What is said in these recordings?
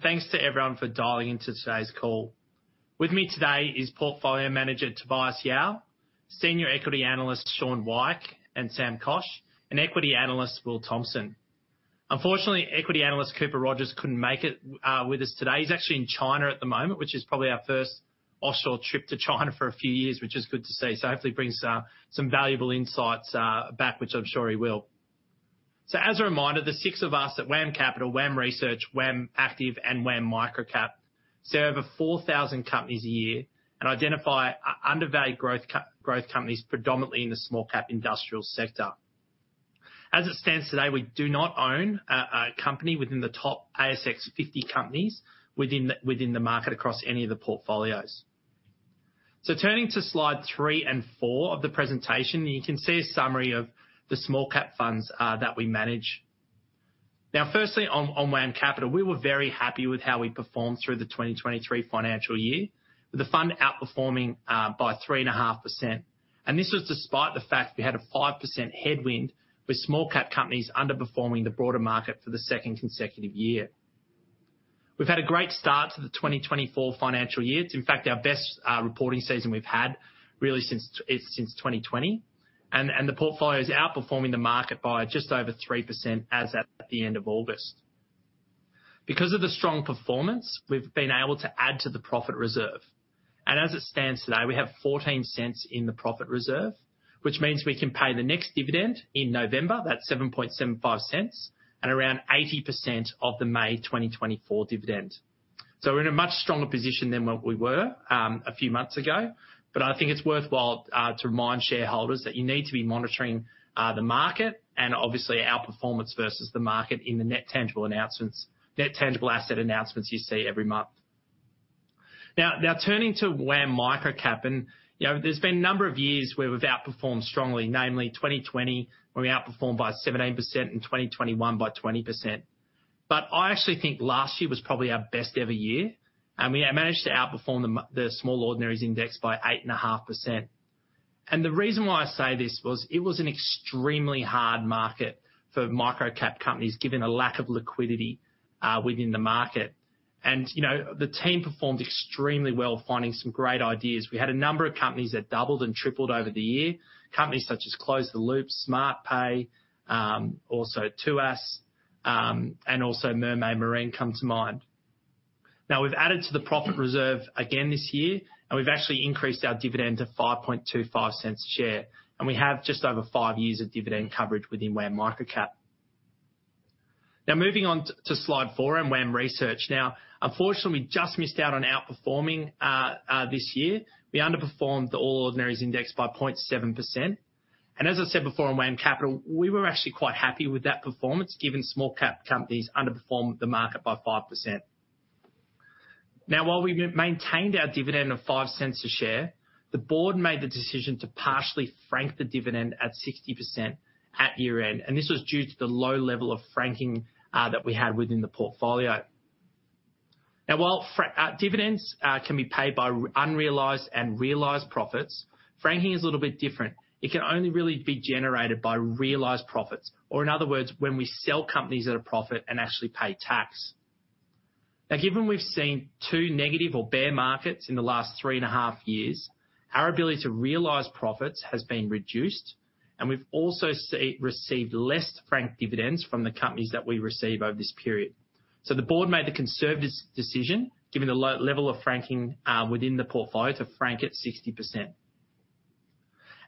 Thanks to everyone for dialing into today's call. With me today is Portfolio Manager Tobias Yao, Senior Equity Analysts Shaun Weick and Sam Koch, and Equity Analyst Will Thompson. Unfortunately, Equity Analyst Cooper Rogers couldn't make it with us today. He's actually in China at the moment, which is probably our first offshore trip to China for a few years, which is good to see. So hopefully brings some valuable insights back, which I'm sure he will. So as a reminder, the six of us at WAM Capital, WAM Research, WAM Active, and WAM Microcap, serve over 4,000 companies a year and identify undervalued growth companies, predominantly in the small cap industrial sector. As it stands today, we do not own a company within the top ASX 50 companies within the market, across any of the portfolios. So turning to slide three and four of the presentation, you can see a summary of the small cap funds that we manage. Now, firstly, on WAM Capital, we were very happy with how we performed through the 2023 financial year, with the fund outperforming by 3.5%, and this was despite the fact we had a 5% headwind, with small cap companies underperforming the broader market for the second consecutive year. We've had a great start to the 2024 financial year. It's in fact our best reporting season we've had really since 2020, and the portfolio is outperforming the market by just over 3% as at the end of August. Because of the strong performance, we've been able to add to the profit reserve, and as it stands today, we have 0.14 in the profit reserve, which means we can pay the next dividend in November. That's AUD 0.0775%, and around 80% of the May 2024 dividend. So we're in a much stronger position than what we were a few months ago, but I think it's worthwhile to remind shareholders that you need to be monitoring the market and obviously our performance versus the market in the net tangible asset announcements you see every month. Now turning to WAM Microcap, and, you know, there's been a number of years where we've outperformed strongly, namely 2020, where we outperformed by 17%, in 2021 by 20%. But I actually think last year was probably our best ever year, and we managed to outperform the Small Ordinaries Index by 8.5%. And the reason why I say this was it was an extremely hard market for microcap companies, given the lack of liquidity within the market. And, you know, the team performed extremely well, finding some great ideas. We had a number of companies that doubled and tripled over the year. Companies such as Close the Loop, Smartpay, also Tuas, and also Mermaid Marine come to mind. Now, we've added to the profit reserve again this year, and we've actually increased our dividend to 0.0525 a share, and we have just over five years of dividend coverage within WAM Microcap. Now, moving on to slide four and WAM Research. Now, unfortunately, we just missed out on outperforming this year. We underperformed the All Ordinaries Index by 0.7%, and as I said before, on WAM Capital, we were actually quite happy with that performance, given small cap companies underperformed the market by 5%. Now, while we maintained our dividend of 0.05 a share, the board made the decision to partially frank the dividend at 60% at year-end, and this was due to the low level of franking that we had within the portfolio. Now, while dividends can be paid by unrealized and realized profits, franking is a little bit different. It can only really be generated by realized profits, or in other words, when we sell companies at a profit and actually pay tax. Now, given we've seen two negative or bear markets in the last three and a half years, our ability to realize profits has been reduced, and we've also received less franking dividends from the companies that we receive over this period. So the board made the conservative decision, given the level of franking within the portfolio, to frank at 60%.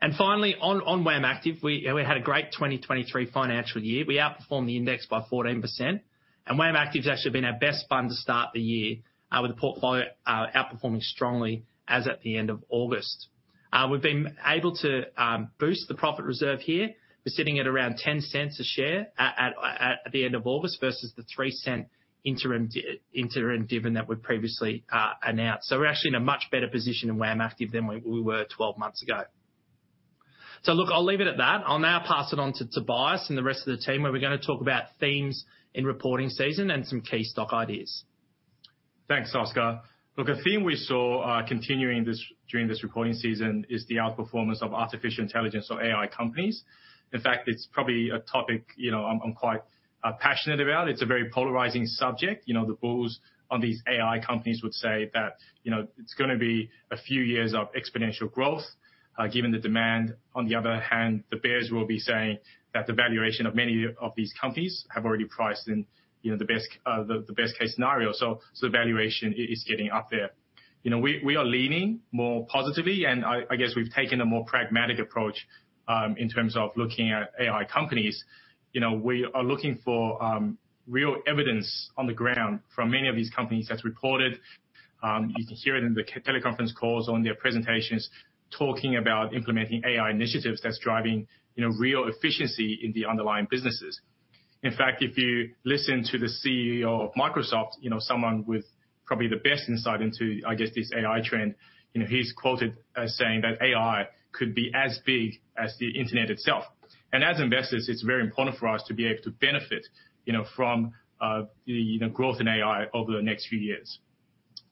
And finally, on WAM Active, we had a great 2023 financial year. We outperformed the index by 14%, and WAM Active's actually been our best fund to start the year, with the portfolio outperforming strongly as at the end of August. We've been able to boost the profit reserve here. We're sitting at around 0.10 a share at the end of August versus the 0.03 interim dividend that we previously announced. So we're actually in a much better position in WAM Active than we were 12 months ago. So look, I'll leave it at that. I'll now pass it on to Tobias and the rest of the team, where we're gonna talk about themes in reporting season and some key stock ideas. Thanks, Oscar. Look, a theme we saw, continuing this, during this reporting season is the outperformance of artificial intelligence or AI companies. In fact, it's probably a topic, you know, I'm quite passionate about. It's a very polarizing subject. You know, the bulls on these AI companies would say that, you know, it's gonna be a few years of exponential growth, given the demand. On the other hand, the bears will be saying that the valuation of many of these companies have already priced in, you know, the best case scenario. So valuation is getting up there. You know, we are leaning more positively, and I guess we've taken a more pragmatic approach, in terms of looking at AI companies. You know, we are looking for real evidence on the ground from many of these companies that's reported. You can hear it in the conference calls on their presentations, talking about implementing AI initiatives that's driving, you know, real efficiency in the underlying businesses. In fact, if you listen to the CEO of Microsoft, you know, someone with probably the best insight into, I guess, this AI trend, you know, he's quoted as saying that AI could be as big as the internet itself. And as investors, it's very important for us to be able to benefit, you know, from the growth in AI over the next few years.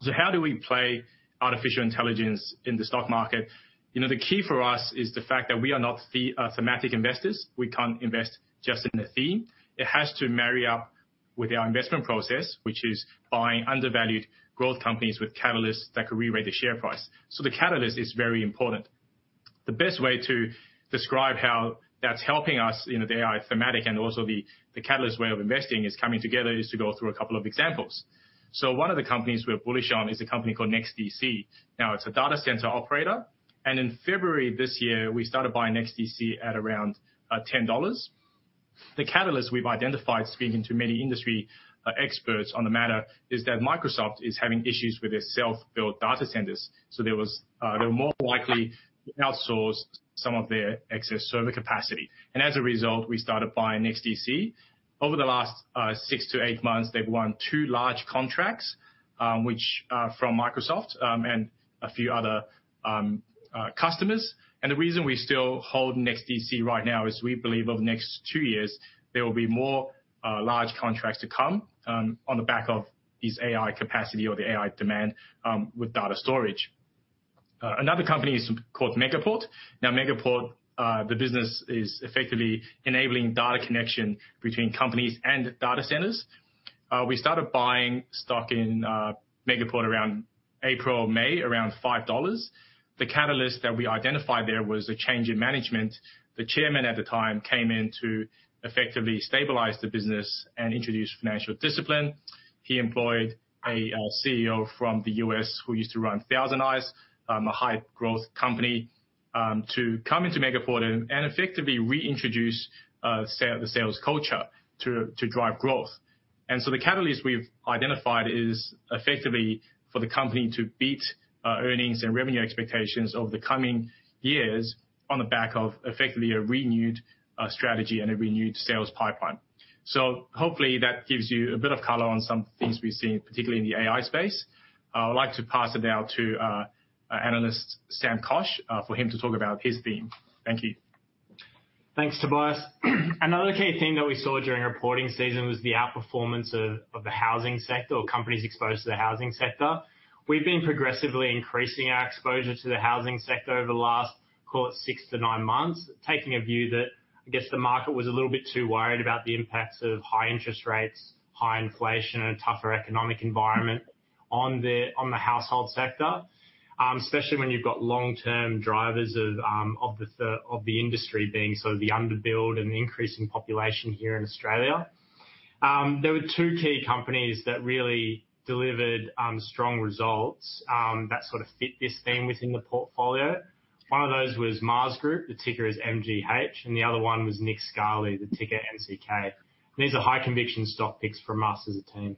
So how do we play artificial intelligence in the stock market? You know, the key for us is the fact that we are not the thematic investors. We can't invest just in the theme. It has to marry up with our investment process, which is buying undervalued growth companies with catalysts that could rewrite the share price. So the catalyst is very important. The best way to describe how that's helping us in the AI thematic, and also the catalyst way of investing is coming together, is to go through a couple of examples. So one of the companies we're bullish on is a company called NEXTDC. Now, it's a data center operator, and in February this year, we started buying NEXTDC at around AUD ten. The catalyst we've identified, speaking to many industry experts on the matter, is that Microsoft is having issues with their self-built data centers. They're more likely to outsource some of their excess server capacity. And as a result, we started buying NEXTDC. Over the last 6-8 months, they've won two large contracts, which from Microsoft and a few other customers. The reason we still hold NEXTDC right now is we believe over the next two years, there will be more large contracts to come on the back of these AI capacity or the AI demand with data storage. Another company is called Megaport. Now, Megaport, the business is effectively enabling data connection between companies and data centers. We started buying stock in Megaport around April, May, around 5 dollars. The catalyst that we identified there was a change in management. The chairman at the time came in to effectively stabilize the business and introduce financial discipline. He employed a CEO from the U.S. who used to run ThousandEyes, a high growth company, to come into Megaport and effectively reintroduce the sales culture to drive growth. And so the catalyst we've identified is effectively for the company to beat earnings and revenue expectations over the coming years on the back of effectively a renewed strategy and a renewed sales pipeline. So hopefully that gives you a bit of color on some things we've seen, particularly in the AI space. I would like to pass it now to our analyst, Sam Koch, for him to talk about his theme. Thank you. Thanks, Tobias. Another key theme that we saw during reporting season was the outperformance of the housing sector or companies exposed to the housing sector. We've been progressively increasing our exposure to the housing sector over the last, call it 6-9 months, taking a view that I guess the market was a little bit too worried about the impacts of high interest rates, high inflation, and a tougher economic environment on the household sector. Especially when you've got long-term drivers of the industry being sort of the underbuild and the increasing population here in Australia. There were two key companies that really delivered strong results that sort of fit this theme within the portfolio. One of those was Maas Group. The ticker is MGH, and the other one was Nick Scali, the ticker NCK. These are high conviction stock picks from us as a team.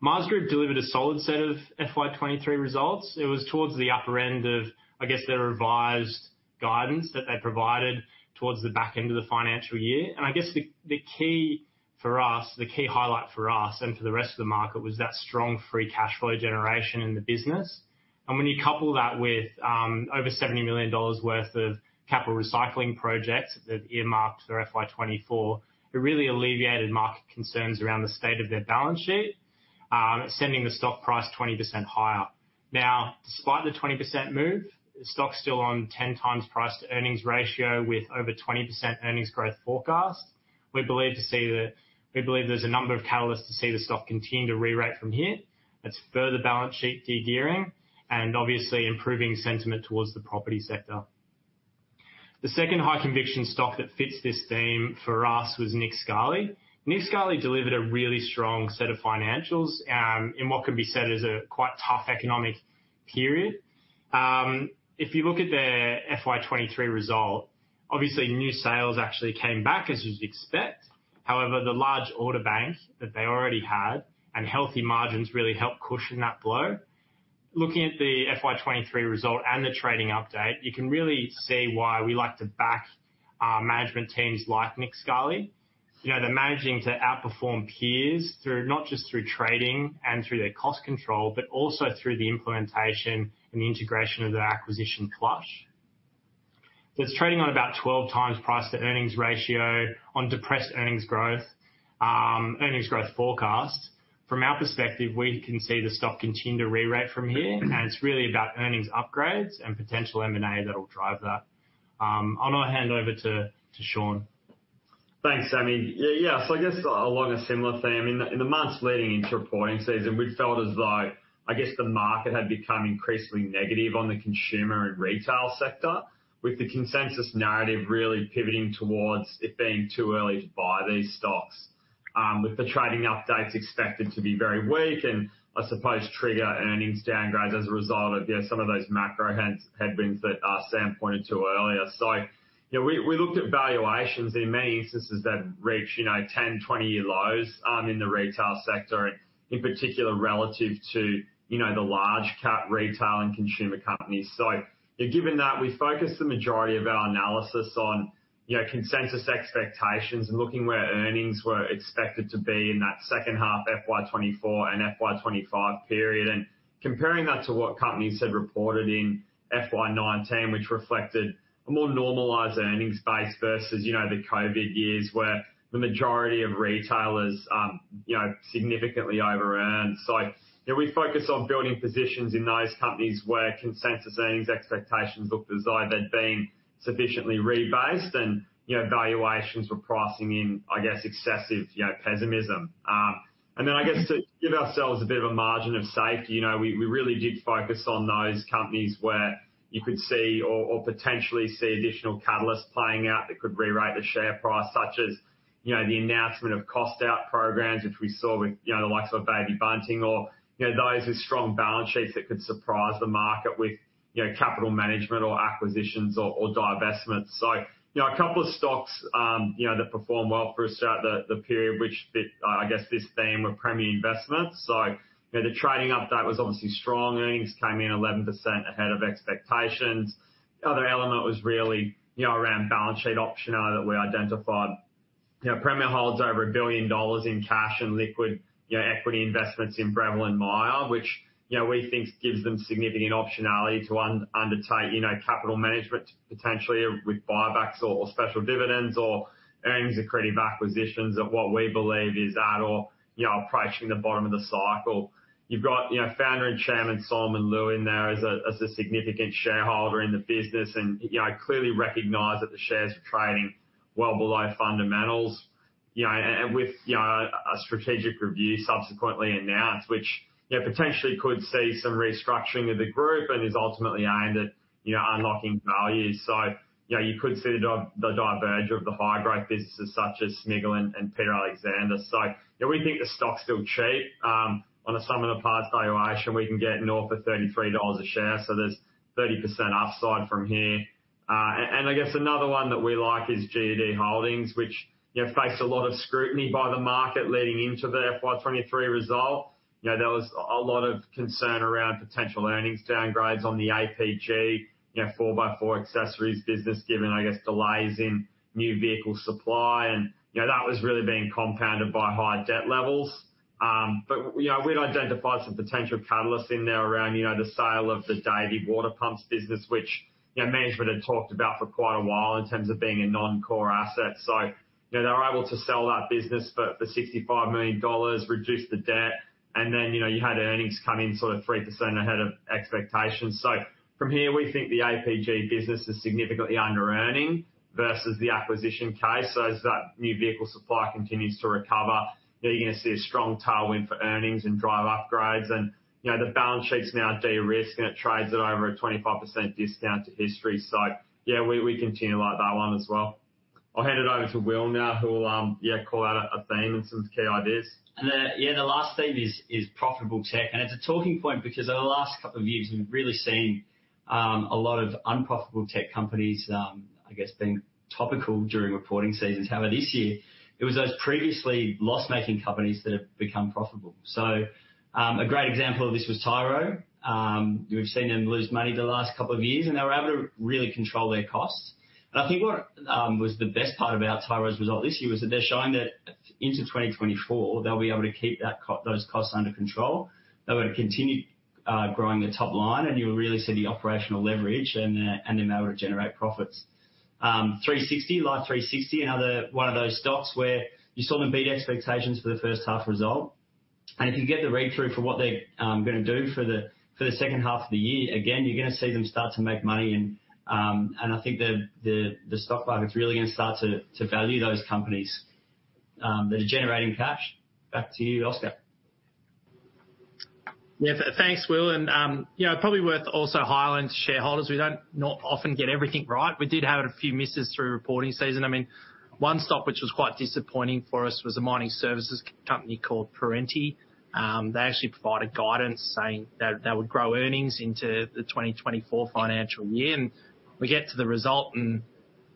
Maas Group delivered a solid set of FY 2023 results. It was towards the upper end of, I guess, their revised guidance that they provided towards the back end of the financial year. And I guess the key for us, the key highlight for us and for the rest of the market was that strong free cash flow generation in the business. And when you couple that with over 70 million dollars worth of capital recycling projects that earmarked their FY 2024, it really alleviated market concerns around the state of their balance sheet, sending the stock price 20% higher. Now, despite the 20% move, the stock's still on 10x price-to-earnings ratio with over 20% earnings growth forecast. We believe there's a number of catalysts to see the stock continue to re-rate from here. That's further balance sheet de-gearing and obviously improving sentiment towards the property sector. The second high conviction stock that fits this theme for us was Nick Scali. Nick Scali delivered a really strong set of financials in what could be said as a quite tough economic period. If you look at their FY 2023 result, obviously new sales actually came back as you'd expect. However, the large order bank that they already had and healthy margins really helped cushion that blow. Looking at the FY 2023 result and the trading update, you can really see why we like to back our management teams like Nick Scali. You know, they're managing to outperform peers through... Not just through trading and through their cost control, but also through the implementation and the integration of their acquisition Plush. So it's trading on about 12x price-to-earnings ratio on depressed earnings growth, earnings growth forecast. From our perspective, we can see the stock continue to re-rate from here, and it's really about earnings upgrades and potential M&A that will drive that. I'm going to hand over to Shaun. Thanks, Sammy. Yes, so I guess along a similar theme, in the months leading into reporting season, we'd felt as though, I guess, the market had become increasingly negative on the consumer and retail sector, with the consensus narrative really pivoting towards it being too early to buy these stocks. With the trading updates expected to be very weak, and I suppose trigger earnings downgrades as a result of, yeah, some of those macro headwinds that Sam pointed to earlier. So, you know, we looked at valuations in many instances that reached, you know, 10-, 20-year lows, in the retail sector, and in particular, relative to, you know, the large cap retail and consumer companies. So given that, we focused the majority of our analysis on, you know, consensus expectations and looking where earnings were expected to be in that second half, FY 2024 and FY 2025 period, and comparing that to what companies had reported in FY 2019, which reflected a more normalized earnings base versus, you know, the COVID years, where the majority of retailers, you know, significantly overearned. So, yeah, we focus on building positions in those companies where consensus earnings expectations looked as though they'd been sufficiently rebased and, you know, valuations were pricing in, I guess, excessive, you know, pessimism. Then, I guess, to give ourselves a bit of a margin of safety, you know, we really did focus on those companies where you could see or potentially see additional catalysts playing out that could rewrite the share price, such as, you know, the announcement of cost out programs, which we saw with, you know, the likes of Baby Bunting or, you know, those with strong balance sheets that could surprise the market with, you know, capital management or acquisitions or divestments. So, you know, a couple of stocks, you know, that performed well for us throughout the period, which fit, I guess, this theme of Premier Investments. So, you know, the trading update was obviously strong. Earnings came in 11% ahead of expectations. The other element was really, you know, around balance sheet optionality that we identified. You know, Premier holds over one billion dollars in cash and liquid, you know, equity investments in Breville and Myer, which, you know, we think gives them significant optionality to undertake, you know, capital management, potentially with buybacks or special dividends or earnings accretive acquisitions at what we believe is at or, you know, approaching the bottom of the cycle. You've got, you know, founder and chairman, Solomon Lew, in there as a significant shareholder in the business, and, you know, clearly recognize that the shares are trading well below fundamentals. You know, and with, you know, a strategic review subsequently announced, which, you know, potentially could see some restructuring of the group and is ultimately aimed at, you know, unlocking value. So, you know, you could see the divergence of the high-growth businesses such as Smiggle and Peter Alexander. So, yeah, we think the stock's still cheap. On a sum-of-the-parts valuation, we can get north of 33 dollars a share, so there's 30% upside from here. And I guess another one that we like is GUD Holdings, which, you know, faced a lot of scrutiny by the market leading into the FY 2023 result. You know, there was a lot of concern around potential earnings downgrades on the APG 4x4 accessories business, given, I guess, delays in new vehicle supply, and, you know, that was really being compounded by high debt levels. But, you know, we'd identified some potential catalysts in there around, you know, the sale of the Davey water pumps business, which, you know, management had talked about for quite a while in terms of being a non-core asset. So, you know, they were able to sell that business for 65 million dollars, reduce the debt, and then, you know, you had earnings come in sort of 3% ahead of expectations. So from here, we think the APG business is significantly underearning versus the acquisition case. So as that new vehicle supply continues to recover, you're gonna see a strong tailwind for earnings and drive upgrades. And, you know, the balance sheet's now de-risked, and it trades at over a 25% discount to history. So yeah, we, we continue to like that one as well. I'll hand it over to Will now, who will, yeah, call out a theme and some key ideas. Yeah, the last theme is profitable tech. It's a talking point because over the last couple of years, we've really seen a lot of unprofitable tech companies, I guess, being topical during reporting seasons. However, this year, it was those previously loss-making companies that have become profitable. So, a great example of this was Tyro. We've seen them lose money the last couple of years, and they were able to really control their costs. I think what was the best part about Tyro's result this year was that they're showing that into 2024, they'll be able to keep those costs under control. They're going to continue growing the top line, and you'll really see the operational leverage and then they'll generate profits. 360, Life360, another one of those stocks where you saw them beat expectations for the first half result. And if you get the read-through for what they're gonna do for the second half of the year, again, you're gonna see them start to make money and I think the stock market's really gonna start to value those companies that are generating cash. Back to you, Oscar. Yeah. Thanks, Will, and, you know, probably worth also highlighting to shareholders, we don't not often get everything right. We did have a few misses through reporting season. I mean, one stock, which was quite disappointing for us, was a mining services company called Perenti. They actually provided guidance saying that they would grow earnings into the 2024 financial year, and we get to the result, and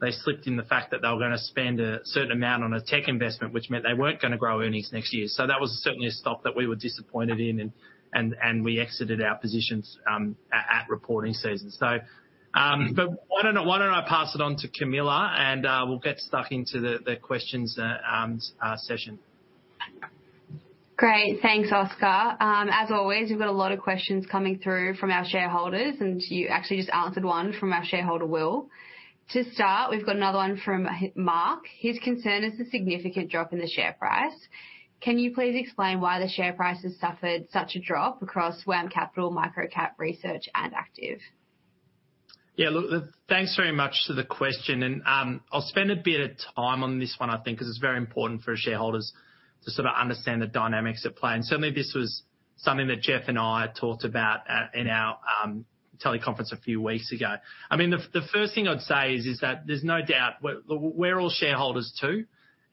they slipped in the fact that they were gonna spend a certain amount on a tech investment, which meant they weren't gonna grow earnings next year. So that was certainly a stock that we were disappointed in, and we exited our positions at reporting season. So, but why don't I pass it on to Camilla, and we'll get stuck into the questions session? Great. Thanks, Oscar. As always, we've got a lot of questions coming through from our shareholders, and you actually just answered one from our shareholder, Will. To start, we've got another one from Mark. His concern is the significant drop in the share price. Can you please explain why the share price has suffered such a drop across WAM Capital, Microcap, Research, and Active? Yeah, look, thanks very much for the question, and, I'll spend a bit of time on this one, I think, because it's very important for our shareholders to sort of understand the dynamics at play. And certainly, this was something that Geoff and I had talked about in our teleconference a few weeks ago. I mean, the first thing I'd say is that there's no doubt, we're all shareholders too,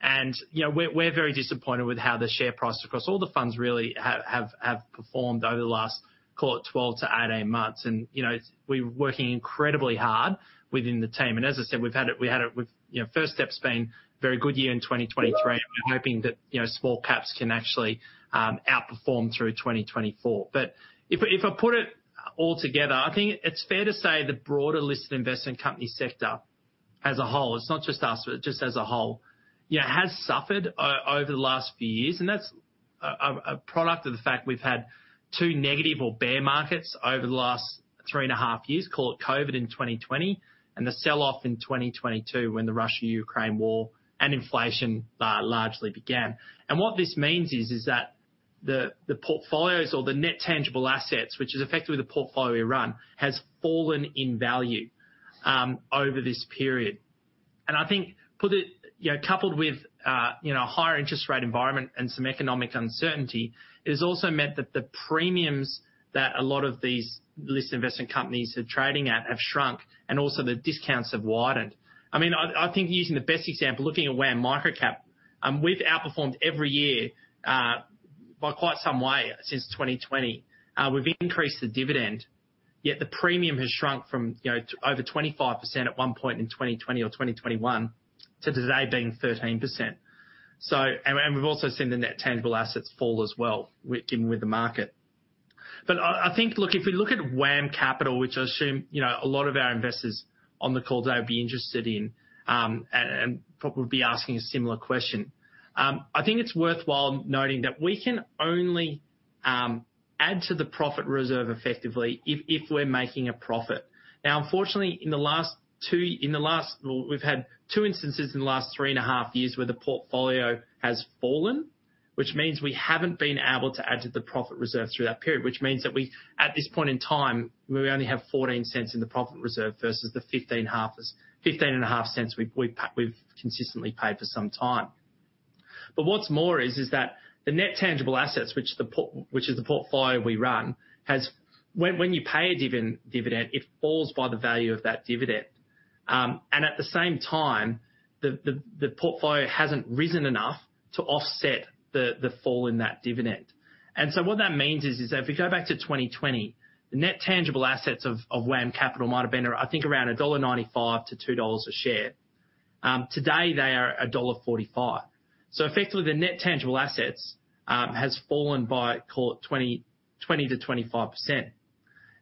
and, you know, we're very disappointed with how the share price across all the funds really have performed over the last, call it, 12-18 months. And, you know, we're working incredibly hard within the team, and as I said, we've had it... We've... You know, first step's been a very good year in 2023. We're hoping that, you know, small caps can actually outperform through 2024. But if I put it all together, I think it's fair to say the broader listed investment company sector-... as a whole, it's not just us, but just as a whole, yeah, has suffered over the last few years, and that's a product of the fact we've had two negative or bear markets over the last three and a half years. Call it COVID in 2020, and the sell-off in 2022 when the Russia-Ukraine war and inflation largely began. And what this means is that the portfolios or the net tangible assets, which is effectively the portfolio we run, has fallen in value over this period. And I think put it, you know, coupled with, you know, a higher interest rate environment and some economic uncertainty, it has also meant that the premiums that a lot of these listed investment companies are trading at have shrunk, and also the discounts have widened. I mean, I think using the best example, looking at WAM Microcap, we've outperformed every year by quite some way since 2020. We've increased the dividend, yet the premium has shrunk from, you know, over 25% at one point in 2020 or 2021 to today being 13%. So... And we've also seen the net tangible assets fall as well with given with the market. But I think, look, if we look at WAM Capital, which I assume, you know, a lot of our investors on the call today would be interested in, and probably be asking a similar question. I think it's worthwhile noting that we can only add to the profit reserve effectively if we're making a profit. Now, unfortunately, in the last two—in the last... Well, we've had two instances in the last three and a half years where the portfolio has fallen, which means we haven't been able to add to the profit reserve through that period, which means that we, at this point in time, we only have 0.14 in the profit reserve versus the 0.155 we've consistently paid for some time. But what's more is that the net tangible assets, which is the portfolio we run, has. When you pay a dividend, it falls by the value of that dividend. And at the same time, the portfolio hasn't risen enough to offset the fall in that dividend. So what that means is that if we go back to 2020, the net tangible assets of WAM Capital might have been around, I think, around 1.95-2 dollars a share. Today, they are dollar 1.45. So effectively, the net tangible assets has fallen by, call it 20%-25%.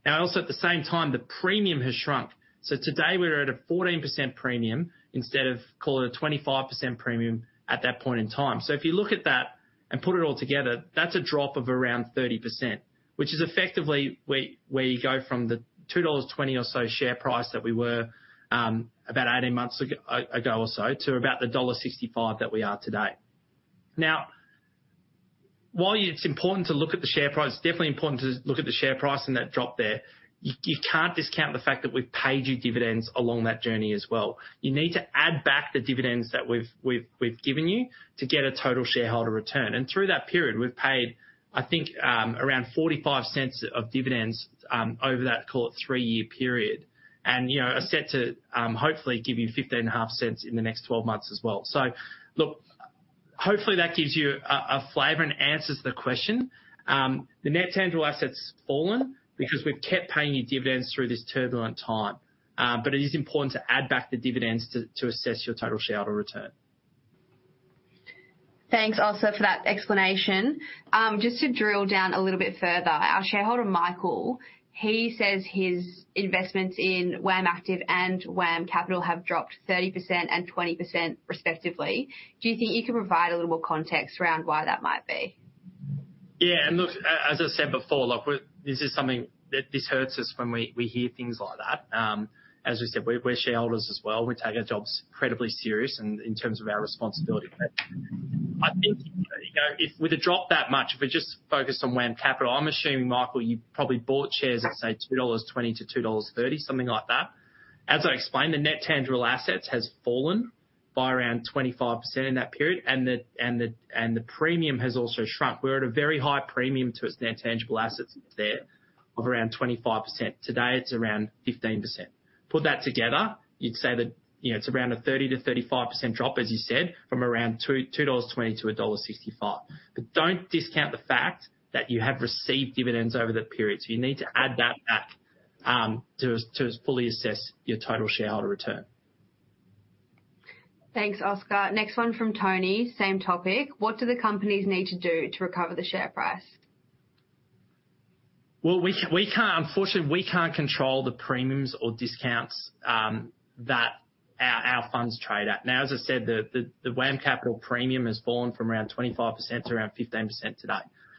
Now, also, at the same time, the premium has shrunk. So today we're at a 14% premium instead of, call it a 25% premium at that point in time. So if you look at that and put it all together, that's a drop of around 30%, which is effectively where you go from the 2.20 dollars or so share price that we were about 18 months ago or so, to about dollar 1.65 that we are today. Now, while it's important to look at the share price, it's definitely important to look at the share price and that drop there, you can't discount the fact that we've paid you dividends along that journey as well. You need to add back the dividends that we've given you to get a total shareholder return. And through that period, we've paid, I think, around AUD 0.455% of dividends, over that, call it, three-year period, and, you know, are set to, hopefully, give you 0.155 in the next 12 months as well. So look, hopefully, that gives you a flavor and answers the question. The net tangible asset's fallen because we've kept paying you dividends through this turbulent time. But it is important to add back the dividends to assess your total shareholder return. Thanks, Oscar, for that explanation. Just to drill down a little bit further, our shareholder, Michael, he says his investments in WAM Active and WAM Capital have dropped 30% and 20%, respectively. Do you think you can provide a little more context around why that might be? Yeah, and look, as I said before, look, this is something that hurts us when we hear things like that. As we said, we're shareholders as well. We take our jobs incredibly serious in terms of our responsibility. But I think, you know, if with a drop that much, if we just focus on WAM Capital, I'm assuming, Michael, you probably bought shares at, say, 2.20-2.30 dollars, something like that. As I explained, the net tangible assets has fallen by around 25% in that period, and the premium has also shrunk. We're at a very high premium to its net tangible assets there of around 25%. Today, it's around 15%. Put that together, you'd say that, you know, it's around a 30%-35% drop, as you said, from around 2.20 dollars to dollar 1.65. But don't discount the fact that you have received dividends over the period, so you need to add that back, to, to fully assess your total shareholder return. Thanks, Oscar. Next one from Tony. Same topic: What do the companies need to do to recover the share price? Well, we can't... Unfortunately, we can't control the premiums or discounts that our funds trade at. Now, as I said, the WAM Capital premium has fallen from around 25% to around 15% today.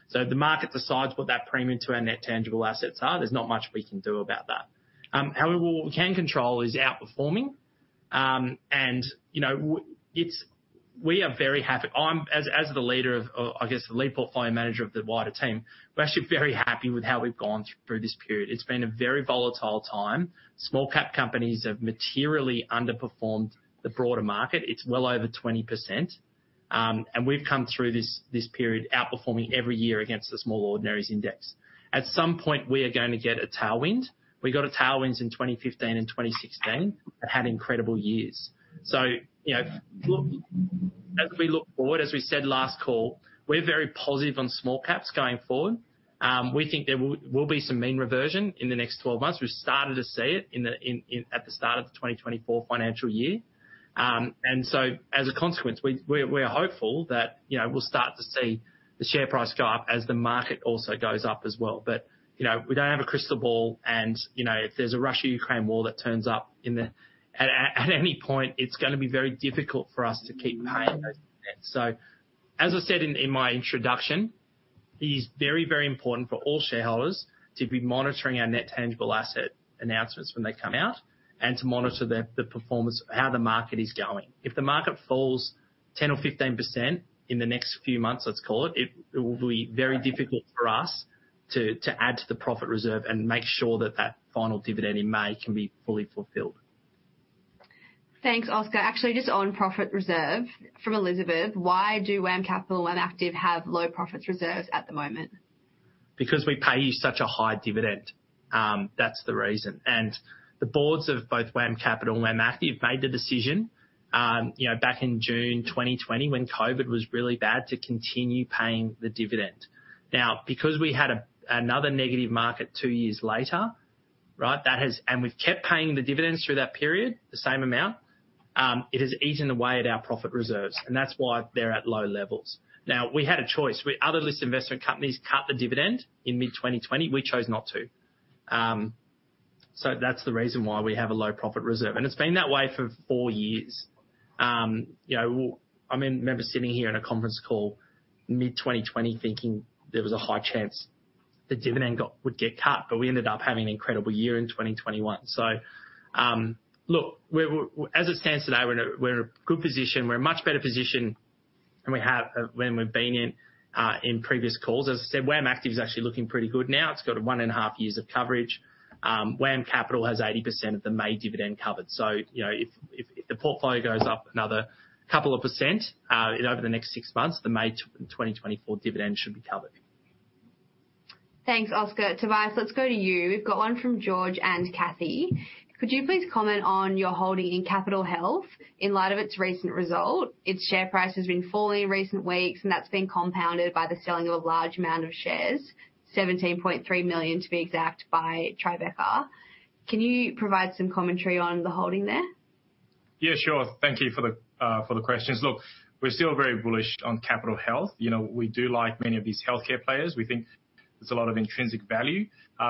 So if the market decides what that premium to our net tangible assets are, there's not much we can do about that. However, what we can control is outperforming. And, you know, we are very happy. I'm as the leader of, I guess, the lead portfolio manager of the wider team, we're actually very happy with how we've gone through this period. It's been a very volatile time. Small cap companies have materially underperformed the broader market. It's well over 20%. And we've come through this period outperforming every year against the Small Ordinaries Index. At some point, we are going to get a tailwind. We got a tailwinds in 2015 and 2016, and had incredible years. So you know, look, as we look forward, as we said last call, we're very positive on small caps going forward. We think there will be some mean reversion in the next 12 months. We've started to see it in at the start of the 2024 financial year. And so as a consequence, we're hopeful that, you know, we'll start to see the share price go up as the market also goes up as well. But, you know, we don't have a crystal ball and, you know, if there's a Russia, Ukraine war that turns up at any point, it's gonna be very difficult for us to keep paying those dividends. So as I said in my introduction, it is very, very important for all shareholders to be monitoring our net tangible asset announcements when they come out, and to monitor the performance, how the market is going. If the market falls 10% or 15% in the next few months, let's call it, it will be very difficult for us to add to the profit reserve and make sure that that final dividend in May can be fully fulfilled. Thanks, Oscar. Actually, just on profit reserve, from Elizabeth: Why do WAM Capital and WAM Active have low profit reserves at the moment? Because we pay you such a high dividend. That's the reason. And the boards of both WAM Capital and WAM Active made the decision, you know, back in June 2020, when COVID was really bad, to continue paying the dividend. Now, because we had another negative market two years later, right? That has... And we've kept paying the dividends through that period, the same amount, it has eaten away at our profit reserves, and that's why they're at low levels. Now, we had a choice. Other listed investment companies cut the dividend in mid 2020. We chose not to. So that's the reason why we have a low profit reserve, and it's been that way for four years. You know, I mean, I remember sitting here in a conference call mid-2020, thinking there was a high chance the dividend would get cut, but we ended up having an incredible year in 2021. So, look, as it stands today, we're in a good position. We're in a much better position than we have in previous calls. As I said, WAM Active is actually looking pretty good now. It's got 1.5 years of coverage. WAM Capital has 80% of the May dividend covered. So you know, if the portfolio goes up another couple of percent over the next six months, the May 2024 dividend should be covered. Thanks, Oscar. Tobias, let's go to you. We've got one from George and Kathy. Could you please comment on your holding in Capitol Health in light of its recent result? Its share price has been falling in recent weeks, and that's been compounded by the selling of a large amount of shares, 17.3 million, to be exact, by Tribeca. Can you provide some commentary on the holding there? Yeah, sure. Thank you for the, for the questions. Look, we're still very bullish on Capitol Health. You know, we do like many of these healthcare players. We think there's a lot of intrinsic value.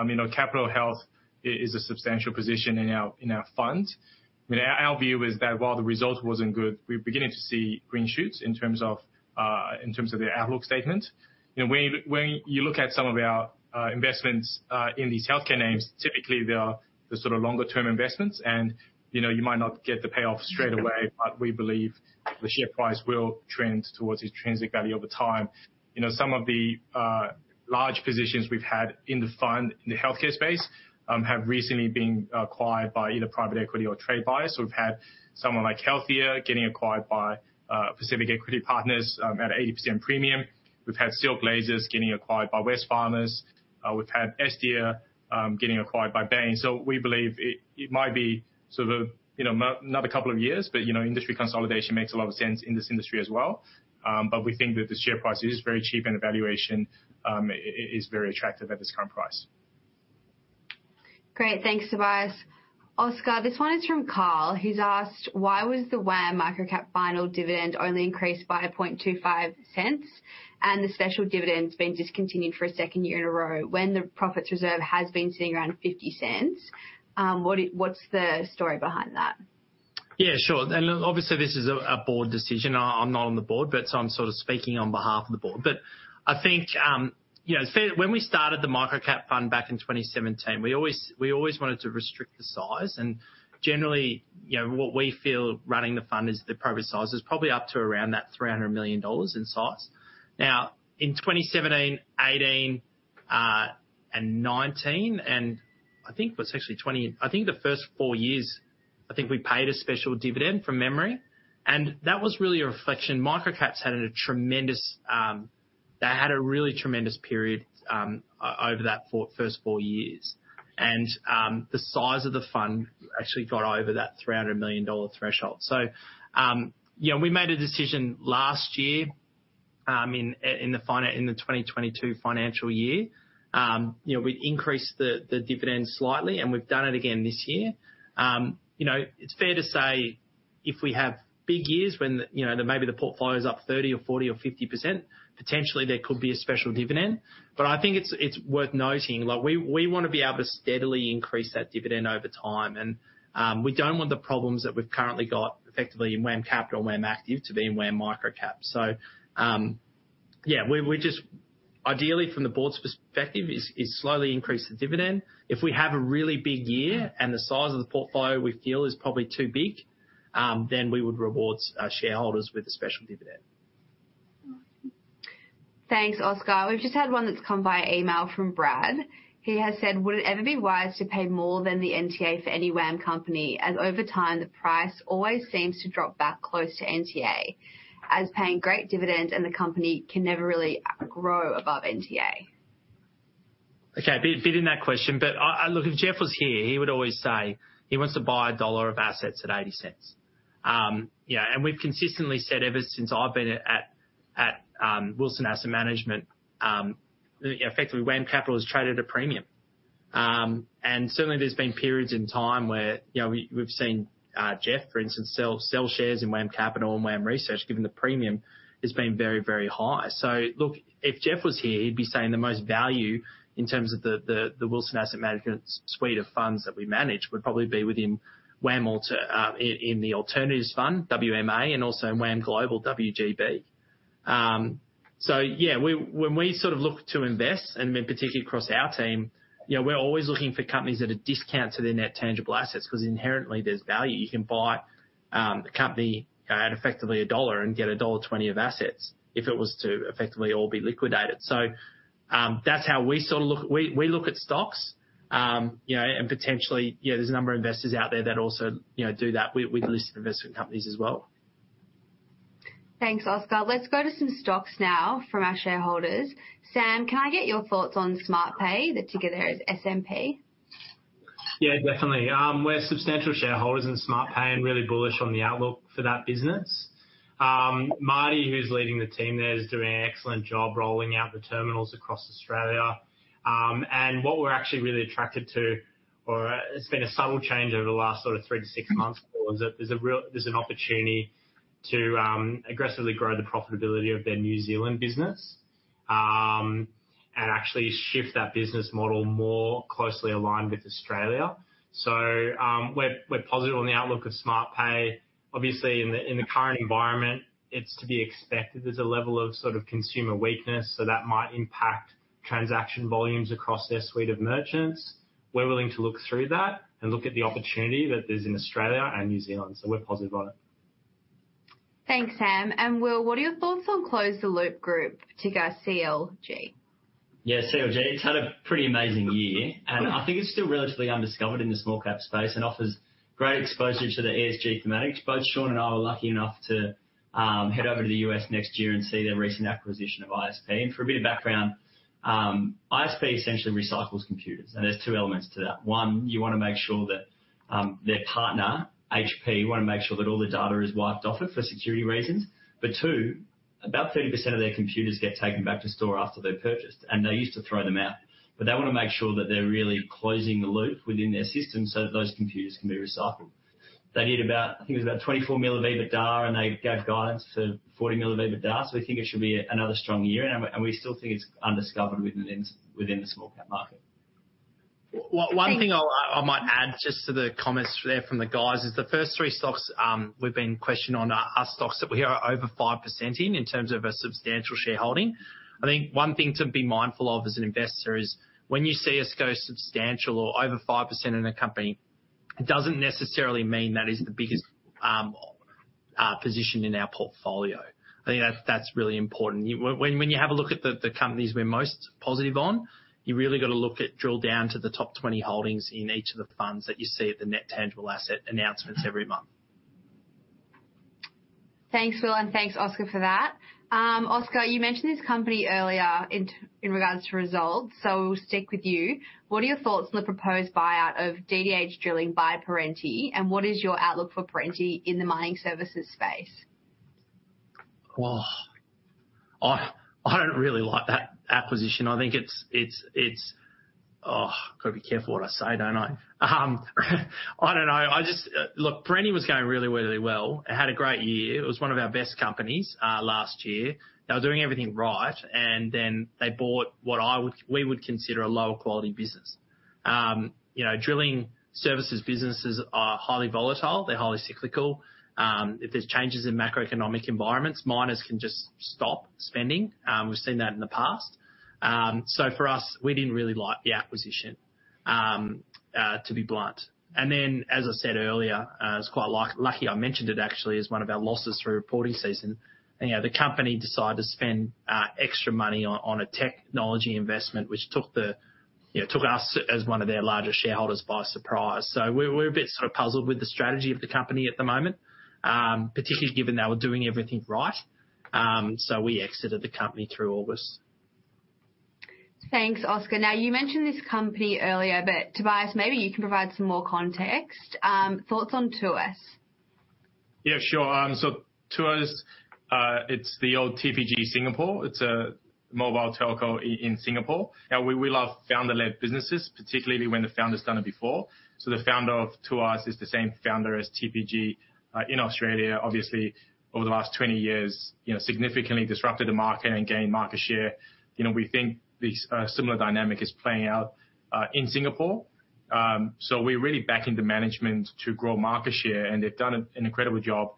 You know, Capitol Health is a substantial position in our, in our fund. I mean, our, our view is that while the result wasn't good, we're beginning to see green shoots in terms of, in terms of the outlook statement. You know, when you look at some of our investments in these healthcare names, typically they are the sort of longer term investments and, you know, you might not get the payoff straight away, but we believe the share price will trend towards the intrinsic value over time. You know, some of the large positions we've had in the fund in the healthcare space have recently been acquired by either private equity or trade buyers. So we've had someone like Healthia getting acquired by Pacific Equity Partners at an 80% premium. We've had Silk Laser getting acquired by Wesfarmers. We've had Estia getting acquired by Bain. So we believe it might be sort of, you know, another couple of years, but, you know, industry consolidation makes a lot of sense in this industry as well. But we think that the share price is very cheap, and the valuation is very attractive at this current price. Great. Thanks, Tobias. Oscar, this one is from Carl, who's asked: Why was the WAM Microcap final dividend only increased by 0.0025, and the special dividend's been discontinued for a second year in a row when the Profit Reserve has been sitting around 0.50? What's the story behind that? Yeah, sure. And, obviously, this is a board decision. I'm not on the board, but so I'm sort of speaking on behalf of the board. But I think, you know, when we started the Micro-Cap Fund back in 2017, we always, we always wanted to restrict the size and generally, you know, what we feel running the fund is the appropriate size is probably up to around that 300 million dollars in size. Now, in 2017, 2018, and 2019, and I think it was actually 2020. I think the first four years, I think we paid a special dividend from memory, and that was really a reflection. Micro-Caps had a tremendous, they had a really tremendous period over that first four years. And, the size of the fund actually got over that 300 million dollar threshold. So, you know, we made a decision last year, in the 2022 financial year. You know, we increased the dividend slightly, and we've done it again this year. You know, it's fair to say if we have big years when the, you know, maybe the portfolio is up 30% or 40% or 50%, potentially there could be a special dividend. But I think it's worth noting, like, we wanna be able to steadily increase that dividend over time. And we don't want the problems that we've currently got effectively in WAM Capital and WAM Active to be in WAM Microcap. So, yeah, we just... ideally, from the board's perspective, is slowly increase the dividend. If we have a really big year, and the size of the portfolio we feel is probably too big, then we would reward our shareholders with a special dividend. Thanks, Oscar. We've just had one that's come via email from Brad. He has said: "Would it ever be wise to pay more than the NTA for any WAM company? As over time, the price always seems to drop back close to NTA, as paying great dividend and the company can never really grow above NTA. Okay, a bit in that question, but. Look, if Geoff was here, he would always say he wants to buy a dollar of assets at eighty cents. You know, and we've consistently said ever since I've been at Wilson Asset Management, effectively, WAM Capital has traded at a premium. And certainly there's been periods in time where, you know, we've seen Geoff, for instance, sell shares in WAM Capital and WAM Research, given the premium has been very, very high. So look, if Geoff was here, he'd be saying the most value in terms of the Wilson Asset Management suite of funds that we manage would probably be within WAM Alternative in the Alternatives Fund, WMA and also in WAM Global, WGB. So yeah, we, when we sort of look to invest and in particular across our team, you know, we're always looking for companies at a discount to their net tangible assets, because inherently there's value. You can buy a company at effectively AUD 1 and get dollar 1.20 of assets, if it was to effectively all be liquidated. So, that's how we sort of look. We look at stocks, you know, and potentially, you know, there's a number of investors out there that also, you know, do that with listed investment companies as well. Thanks, Oscar. Let's go to some stocks now from our shareholders. Sam, can I get your thoughts on Smartpay? The ticker there is SMP. Yeah, definitely. We're substantial shareholders in Smartpay and really bullish on the outlook for that business. Marty, who's leading the team there, is doing an excellent job rolling out the terminals across Australia. And what we're actually really attracted to, or it's been a subtle change over the last sort of 3-6 months, is that there's a real opportunity to aggressively grow the profitability of their New Zealand business, and actually shift that business model more closely aligned with Australia. So, we're positive on the outlook of Smartpay. Obviously, in the current environment, it's to be expected. There's a level of sort of consumer weakness, so that might impact transaction volumes across their suite of merchants. We're willing to look through that and look at the opportunity that there is in Australia and New Zealand, so we're positive on it. Thanks, Sam. Will, what are your thoughts on Close the Loop Group, ticker CLG? Yeah, CLG, it's had a pretty amazing year, and I think it's still relatively undiscovered in the small cap space and offers great exposure to the ESG thematics. Both Shaun and I are lucky enough to head over to the U.S. next year and see their recent acquisition of ISP. And for a bit of background, ISP essentially recycles computers, and there's two elements to that: One, you want to make sure that their partner, HP, you want to make sure that all the data is wiped off it for security reasons. But two, about 30% of their computers get taken back to store after they're purchased, and they used to throw them out. But they want to make sure that they're really closing the loop within their system so that those computers can be recycled. They did about, I think it was about 24 million of EBITDA, and they gave guidance for 40 million of EBITDA. So we think it should be another strong year, and we, and we still think it's undiscovered within, within the small cap market. One thing I might add just to the comments there from the guys, is the first three stocks we've been questioned on, are stocks that we are over 5% in, in terms of a substantial shareholding. I think one thing to be mindful of as an investor is when you see us go substantial or over 5% in a company, it doesn't necessarily mean that is the biggest position in our portfolio. I think that's really important. When you have a look at the companies we're most positive on, you really got to look at, drill down to the top 20 holdings in each of the funds that you see at the net tangible asset announcements every month. Thanks, Will, and thanks, Oscar, for that. Oscar, you mentioned this company earlier in regards to results, so we'll stick with you. What are your thoughts on the proposed buyout of DDH Drilling by Perenti, and what is your outlook for Perenti in the mining services space? Well, I don't really like that acquisition. I think it's... Oh, got to be careful what I say, don't I? I don't know. Look, Perenti was going really, really well. It had a great year. It was one of our best companies last year. They were doing everything right, and then they bought what I would, we would consider a lower quality business. You know, drilling services businesses are highly volatile. They're highly cyclical. If there's changes in macroeconomic environments, miners can just stop spending. We've seen that in the past. So for us, we didn't really like the acquisition, to be blunt. And then, as I said earlier, I was quite lucky, I mentioned it actually, as one of our losses through reporting season. You know, the company decided to spend extra money on a technology investment, which you know took us as one of their largest shareholders by surprise. So we're a bit sort of puzzled with the strategy of the company at the moment, particularly given they were doing everything right. So we exited the company through August. Thanks, Oscar. Now, you mentioned this company earlier, but Tobias, maybe you can provide some more context. Thoughts on Tuas? Yeah, sure. So Tuas, it's the old TPG Singapore. It's a mobile telco in Singapore, and we love founder-led businesses, particularly when the founder's done it before. So the founder of Tuas is the same founder as TPG in Australia. Obviously, over the last 20 years, you know, significantly disrupted the market and gained market share. You know, we think this similar dynamic is playing out in Singapore. So we're really backing the management to grow market share, and they've done an incredible job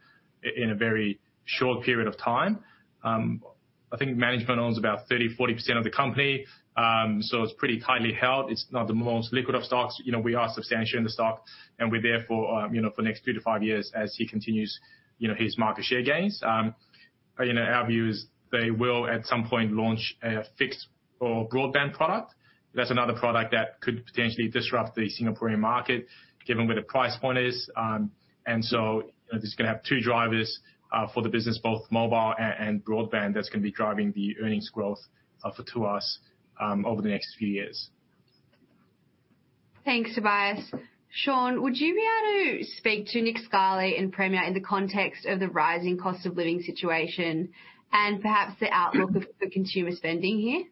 in a very short period of time. I think management owns about 30-40% of the company. So it's pretty tightly held. It's not the most liquid of stocks. You know, we are substantial in the stock, and we're there for, you know, for the next two-five years as he continues, you know, his market share gains. You know, our view is they will at some point launch a fixed or broadband product. That's another product that could potentially disrupt the Singaporean market, given where the price point is. And so there's gonna have two drivers for the business, both mobile and broadband. That's gonna be driving the earnings growth for Tuas over the next few years.... Thanks, Tobias. Shaun, would you be able to speak to Nick Scali and Premier in the context of the rising cost of living situation and perhaps the outlook of, for consumer spending here?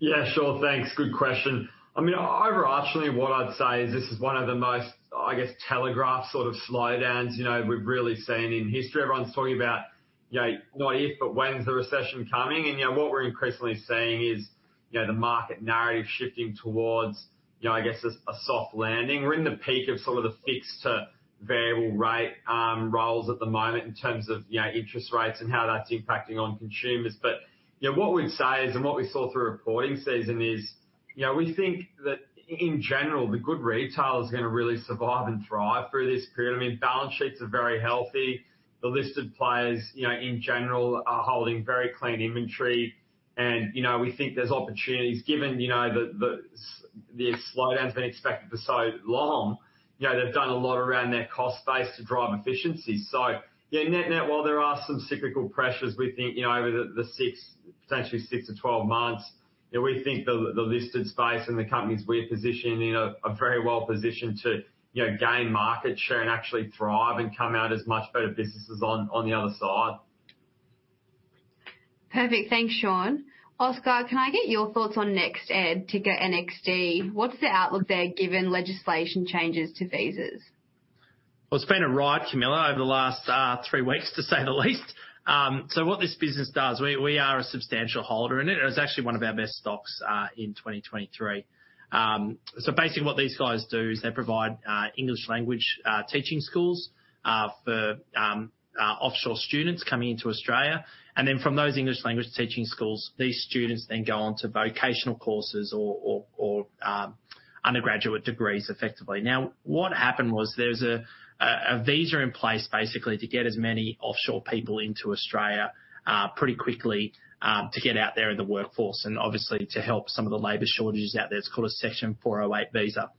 Yeah, sure. Thanks. Good question. I mean, overarchingly, what I'd say is this is one of the most, I guess, telegraphed sort of slowdowns, you know, we've really seen in history. Everyone's talking about, you know, not if, but when is the recession coming? And, you know, what we're increasingly seeing is, you know, the market narrative shifting towards, you know, I guess, a soft landing. We're in the peak of some of the fixed to variable rate roles at the moment in terms of, you know, interest rates and how that's impacting on consumers. But, you know, what we'd say is, and what we saw through reporting season is, you know, we think that in general, the good retail is gonna really survive and thrive through this period. I mean, balance sheets are very healthy. The listed players, you know, in general, are holding very clean inventory. You know, we think there's opportunities given, you know, the slowdown's been expected for so long. You know, they've done a lot around their cost base to drive efficiency. So, yeah, net net, while there are some cyclical pressures, we think, you know, over the six... potentially six-12 months, you know, we think the listed space and the companies we're positioned in are very well positioned to, you know, gain market share and actually thrive and come out as much better businesses on the other side. Perfect. Thanks, Shaun. Oscar, can I get your thoughts on NextEd, ticker NXD? What's the outlook there, given legislation changes to visas? Well, it's been a ride, Camilla, over the last three weeks, to say the least. So what this business does, we are a substantial holder in it, and it's actually one of our best stocks in 2023. So basically what these guys do is they provide English language teaching schools for offshore students coming into Australia. And then from those English language teaching schools, these students then go on to vocational courses or undergraduate degrees, effectively. Now, what happened was there was a visa in place, basically to get as many offshore people into Australia pretty quickly, to get out there in the workforce and obviously to help some of the labor shortages out there. It's called a Section 408 visa.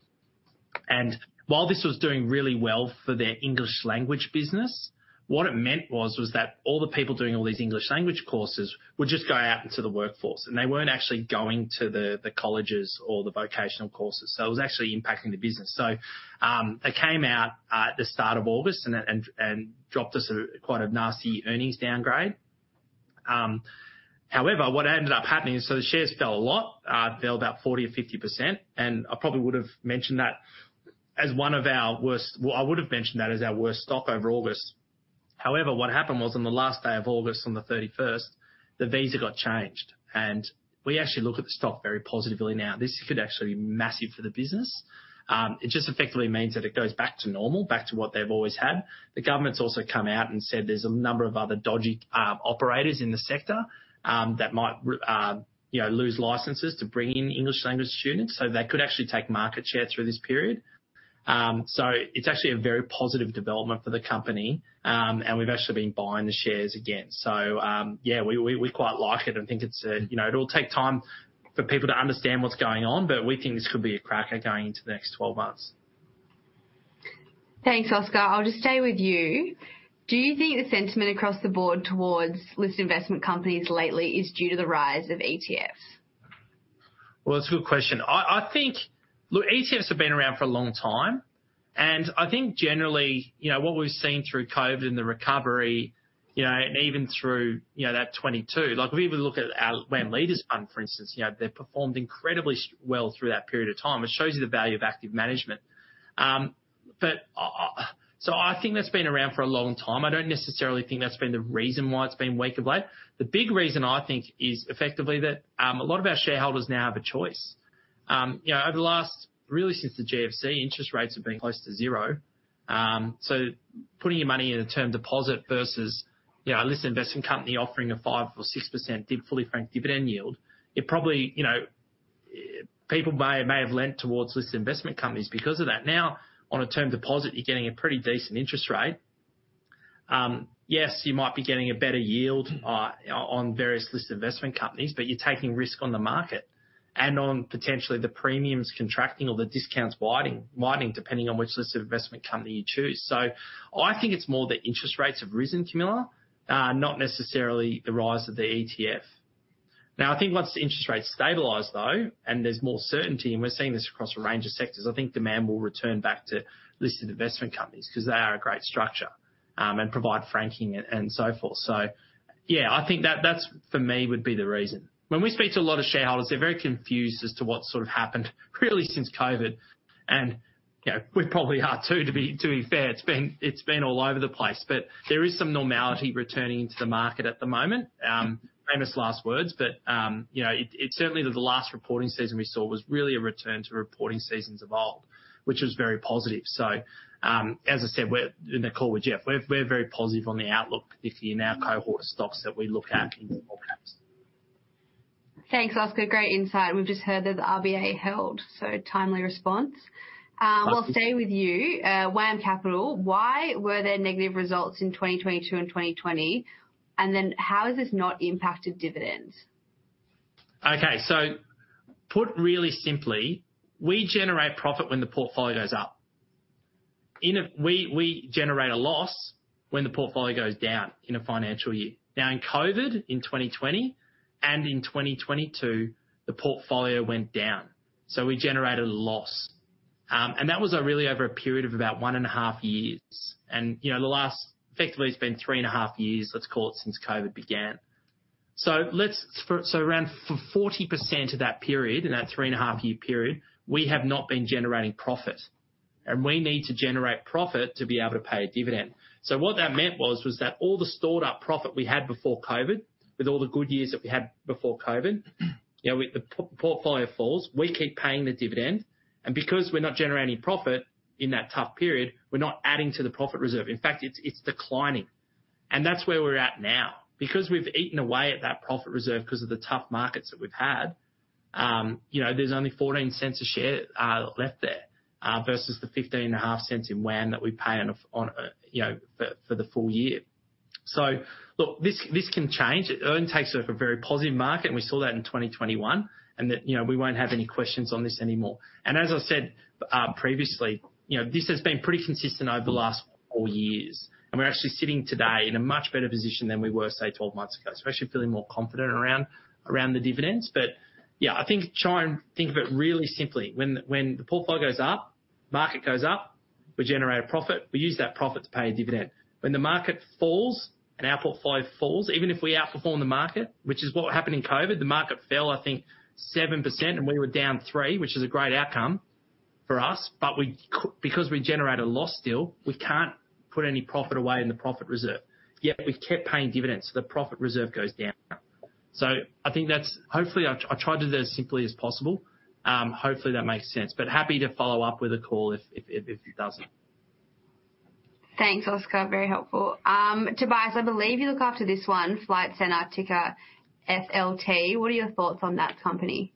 While this was doing really well for their English language business, what it meant was that all the people doing all these English language courses would just go out into the workforce, and they weren't actually going to the colleges or the vocational courses. So it was actually impacting the business. So, they came out at the start of August and dropped us a quite nasty earnings downgrade. However, what ended up happening is, so the shares fell a lot, fell about 40% or 50%, and I probably would have mentioned that as one of our worst. Well, I would have mentioned that as our worst stock over August. However, what happened was on the last day of August, on the 31st, the visa got changed, and we actually look at the stock very positively now. This could actually be massive for the business. It just effectively means that it goes back to normal, back to what they've always had. The government's also come out and said there's a number of other dodgy operators in the sector that might, you know, lose licenses to bring in English language students, so they could actually take market share through this period. So it's actually a very positive development for the company, and we've actually been buying the shares again. So, yeah, we quite like it and think it's a, you know, it'll take time for people to understand what's going on, but we think this could be a cracker going into the next 12 months. Thanks, Oscar. I'll just stay with you. Do you think the sentiment across the board towards listed investment companies lately is due to the rise of ETFs? Well, it's a good question. I think... Look, ETFs have been around for a long time, and I think generally, you know, what we've seen through COVID and the recovery, you know, and even through, you know, that 2022, like, if we even look at our WAM Leaders Fund, for instance, you know, they've performed incredibly well through that period of time, which shows you the value of active management. But I think that's been around for a long time. I don't necessarily think that's been the reason why it's been weak of late. The big reason, I think, is effectively that, a lot of our shareholders now have a choice. You know, over the last, really, since the GFC, interest rates have been close to zero. So putting your money in a term deposit versus, you know, a listed investment company offering a 5%-6% fully franked dividend yield, it probably, you know, people may have leaned towards listed investment companies because of that. Now, on a term deposit, you're getting a pretty decent interest rate. Yes, you might be getting a better yield on various listed investment companies, but you're taking risk on the market and on potentially the premiums contracting or the discounts widening, depending on which listed investment company you choose. So I think it's more that interest rates have risen, Camilla, not necessarily the rise of the ETF. Now, I think once the interest rates stabilize, though, and there's more certainty, and we're seeing this across a range of sectors, I think demand will return back to listed investment companies because they are a great structure, and provide franking and so forth. So yeah, I think that, that's for me, would be the reason. When we speak to a lot of shareholders, they're very confused as to what sort of happened really since COVID. And, you know, we probably are too, to be fair, it's been all over the place. But there is some normality returning into the market at the moment. Famous last words, but, you know, it, it's certainly that the last reporting season we saw was really a return to reporting seasons of old, which was very positive. So, as I said, we're... In the call with Geoff, we're very positive on the outlook this year in our cohort of stocks that we look at in small caps. Thanks, Oscar. Great insight. We've just heard that the RBA held, so timely response. I'll stay with you. WAM Capital, why were there negative results in 2022 and 2020? And then how has this not impacted dividends? Okay, so put really simply, we generate profit when the portfolio goes up. We generate a loss when the portfolio goes down in a financial year. Now, in COVID, in 2020 and in 2022, the portfolio went down, so we generated a loss. That was really over a period of about 1.5 years. You know, the last, effectively, it's been 3.5 years, let's call it, since COVID began. So around 40% of that period, in that 3.5-year period, we have not been generating profit, and we need to generate profit to be able to pay a dividend. So what that meant was that all the stored up profit we had before COVID, with all the good years that we had before COVID, you know, with the portfolio falls, we keep paying the dividend. And because we're not generating profit in that tough period, we're not adding to the profit reserve. In fact, it's declining. And that's where we're at now. Because we've eaten away at that profit reserve because of the tough markets that we've had, you know, there's only 0.14 per share left there versus the 0.155 in WAM that we pay on a, you know, for the full year. So look, this can change. Earnings take it from a very positive market, and we saw that in 2021, and that, you know, we won't have any questions on this anymore. And as I said, previously, you know, this has been pretty consistent over the last four years, and we're actually sitting today in a much better position than we were, say, 12 months ago, especially feeling more confident around, around the dividends. But yeah, I think try and think of it really simply. When the, when the portfolio goes up, market goes up, we generate a profit. We use that profit to pay a dividend. When the market falls and our portfolio falls, even if we outperform the market, which is what happened in COVID, the market fell, I think 7%, and we were down three, which is a great outcome for us. But because we generate a loss still, we can't put any profit away in the profit reserve, yet we've kept paying dividends, so the profit reserve goes down. So I think that's... Hopefully, I tried to do that as simply as possible. Hopefully, that makes sense, but happy to follow up with a call if it doesn't. Thanks, Oscar. Very helpful. Tobias, I believe you look after this one, Flight Centre, ticker FLT. What are your thoughts on that company?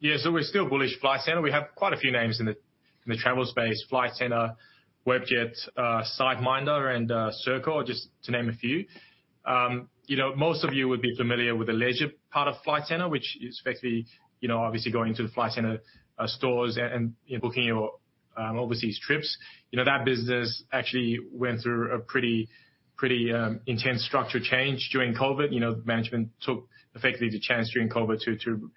Yeah, so we're still bullish, Flight Centre. We have quite a few names in the travel space, Flight Centre, Webjet, SiteMinder, and Serko, just to name a few. You know, most of you would be familiar with the leisure part of Flight Centre, which is effectively, you know, obviously going to the Flight Centre stores and booking your overseas trips. You know, that business actually went through a pretty intense structure change during COVID. You know, management took effectively the chance during COVID to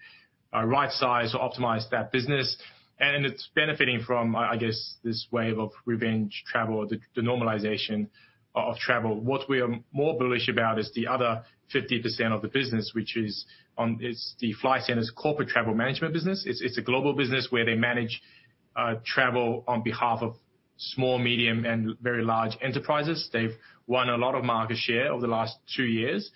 rightsize or optimize that business. And it's benefiting from, I guess, this wave of revenge travel or the normalization of travel. What we are more bullish about is the other 50% of the business, which is, it's the Flight Centre's corporate travel management business. It's a global business where they manage travel on behalf of small, medium, and very large enterprises. They've won a lot of market share over the last 2 years.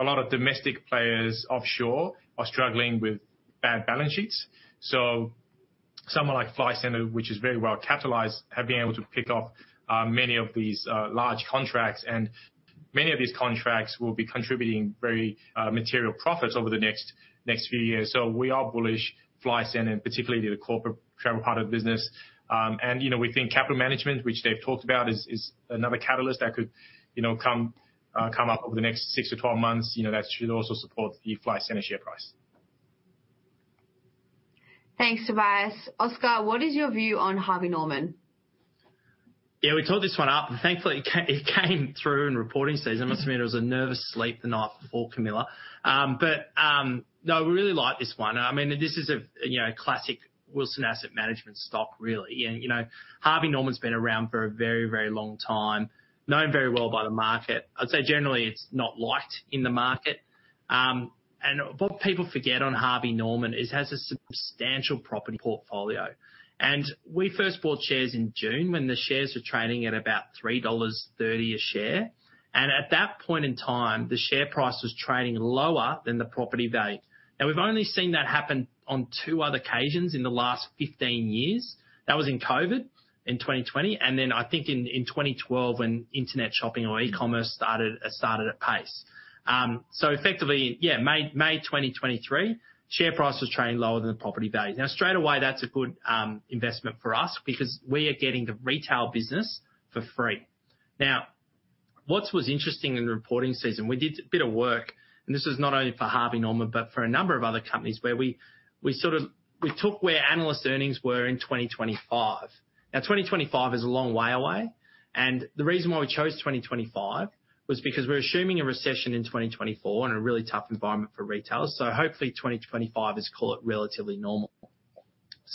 A lot of domestic players offshore are struggling with bad balance sheets. So someone like Flight Centre, which is very well capitalized, have been able to pick up many of these large contracts, and many of these contracts will be contributing very material profits over the next few years. So we are bullish, Flight Centre, and particularly the corporate travel part of the business. And you know, we think capital management, which they've talked about, is another catalyst that could, you know, come up over the next six to 12 months. You know, that should also support the Flight Centre share price. Thanks, Tobias. Oscar, what is your view on Harvey Norman? Yeah, we talked this one up, and thankfully, it came through in reporting season. I must admit, it was a nervous sleep the night before, Camilla. But no, we really like this one. I mean, this is a, you know, classic Wilson Asset Management stock, really. And, you know, Harvey Norman's been around for a very, very long time, known very well by the market. I'd say generally, it's not liked in the market. And what people forget on Harvey Norman, it has a substantial property portfolio. And we first bought shares in June when the shares were trading at about 3.30 dollars a share. And at that point in time, the share price was trading lower than the property value. Now, we've only seen that happen on two other occasions in the last 15 years. That was in COVID in 2020, and then I think in 2012, when internet shopping or e-commerce started at pace. So effectively, yeah, May 2023, share price was trading lower than the property value. Now, straight away, that's a good investment for us because we are getting the retail business for free. Now, what was interesting in the reporting season, we did a bit of work, and this is not only for Harvey Norman, but for a number of other companies where we sort of took where analyst earnings were in 2025. Now, 2025 is a long way away, and the reason why we chose 2025 was because we're assuming a recession in 2024 and a really tough environment for retailers. So hopefully, 2025 is, call it, relatively normal.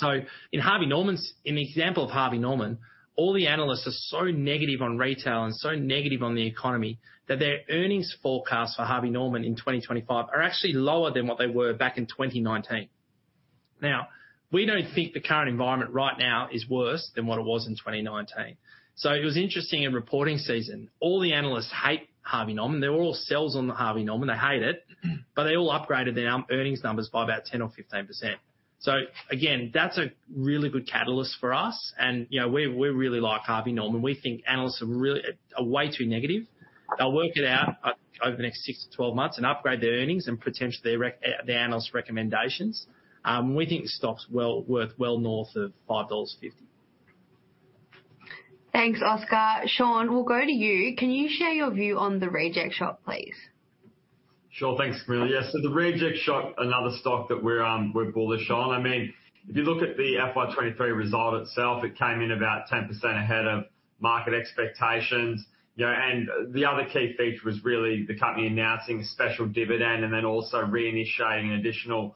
In the example of Harvey Norman, all the analysts are so negative on retail and so negative on the economy, that their earnings forecast for Harvey Norman in 2025 are actually lower than what they were back in 2019. Now, we don't think the current environment right now is worse than what it was in 2019. So it was interesting in reporting season, all the analysts hate Harvey Norman. They were all sells on Harvey Norman. They hate it, but they all upgraded their earnings numbers by about 10% or 15%. So again, that's a really good catalyst for us, and, you know, we, we really like Harvey Norman. We think analysts are really are way too negative. They'll work it out over the next six to 12 months and upgrade their earnings and potentially the analysts' recommendations. We think the stock's well worth well north of 5.50 dollars. Thanks, Oscar. Shaun, we'll go to you. Can you share your view on The Reject Shop, please?... Sure. Thanks, Camilla. Yeah, so the Reject Shop, another stock that we're bullish on. I mean, if you look at the FY 2023 result itself, it came in about 10% ahead of market expectations. You know, and the other key feature was really the company announcing a special dividend and then also reinitiating an additional 10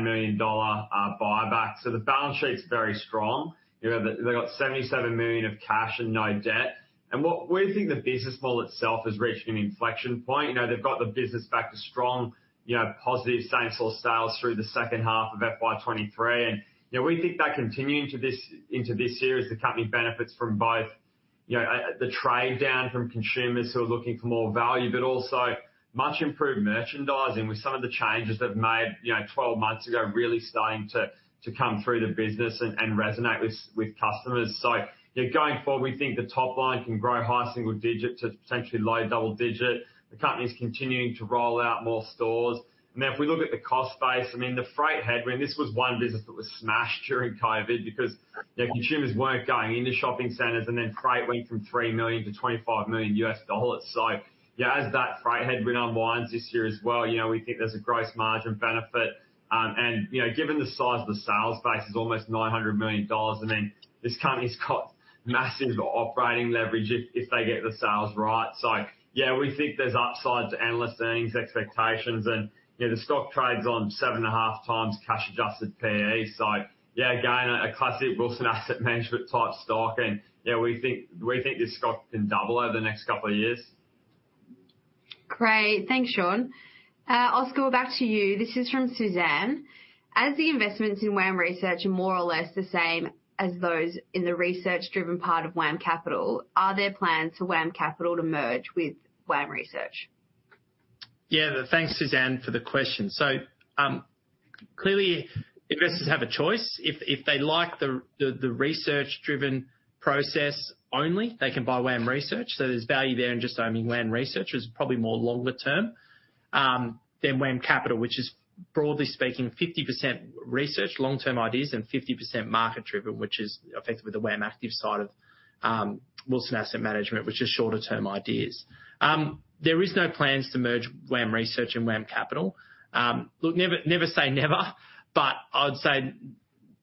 million dollar buyback. So the balance sheet is very strong. You know, they got 77 million of cash and no debt. And we think the business model itself has reached an inflection point. You know, they've got the business back to strong, you know, positive same-store sales through the second half of FY 2023. And, you know, we think that continuing to this, into this year as the company benefits from both, you know, the trade down from consumers who are looking for more value, but also much improved merchandising with some of the changes they've made, you know, 12 months ago, really starting to come through the business and resonate with customers. So yeah, going forward, we think the top line can grow high single digit to potentially low double digit. The company is continuing to roll out more stores. And then if we look at the cost base, I mean, the freight headwind, this was one business that was smashed during COVID because, you know, consumers weren't going into shopping centers and then freight went from $3 million to $25 million. So yeah, as that freight headwind unwinds this year as well, you know, we think there's a gross margin benefit. And, you know, given the size of the sales base, is almost 900 million dollars, I mean, this company's got massive operating leverage if they get the sales right. So yeah, we think there's upside to analyst earnings expectations and, you know, the stock trades on 7.5x cash adjusted PE. So yeah, again, a classic Wilson Asset Management type stock. And yeah, we think this stock can double over the next couple of years. Great. Thanks, Shaun. Oscar, back to you. This is from Suzanne. As the investments in WAM Research are more or less the same as those in the research-driven part of WAM Capital, are there plans for WAM Capital to merge with WAM Research? Yeah. Thanks, Suzanne, for the question. So, clearly investors have a choice. If they like the research-driven process only, they can buy WAM Research. So there's value there in just owning WAM Research, is probably more longer term than WAM Capital, which is broadly speaking, 50% research, long-term ideas, and 50% market-driven, which is effectively the WAM Active side of Wilson Asset Management, which is shorter term ideas. There is no plans to merge WAM Research and WAM Capital. Look, never say never, but I'd say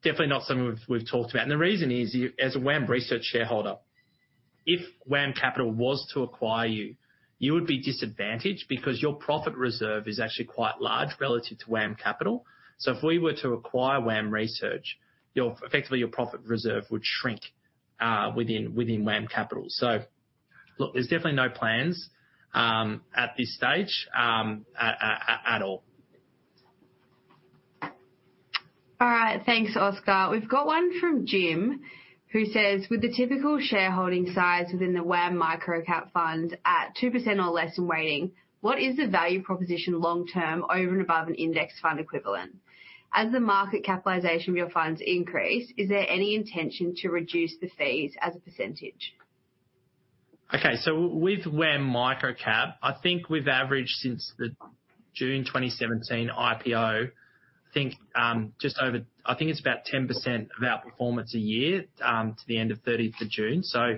definitely not something we've talked about. And the reason is, you, as a WAM Research shareholder, if WAM Capital was to acquire you, you would be disadvantaged because your profit reserve is actually quite large relative to WAM Capital. So if we were to acquire WAM Research, your effectively, your profit reserve would shrink within WAM Capital. So look, there's definitely no plans at this stage at all. All right. Thanks, Oscar. We've got one from Jim, who says: With the typical shareholding size within the WAM Microcap Fund at 2% or less in weighting, what is the value proposition long term over and above an index fund equivalent? As the market capitalization of your funds increase, is there any intention to reduce the fees as a percentage? Okay. So with WAM Microcap, I think we've averaged since the June 2017 IPO, I think, just over, I think it's about 10% outperformance a year, to the end of 13th of June. So,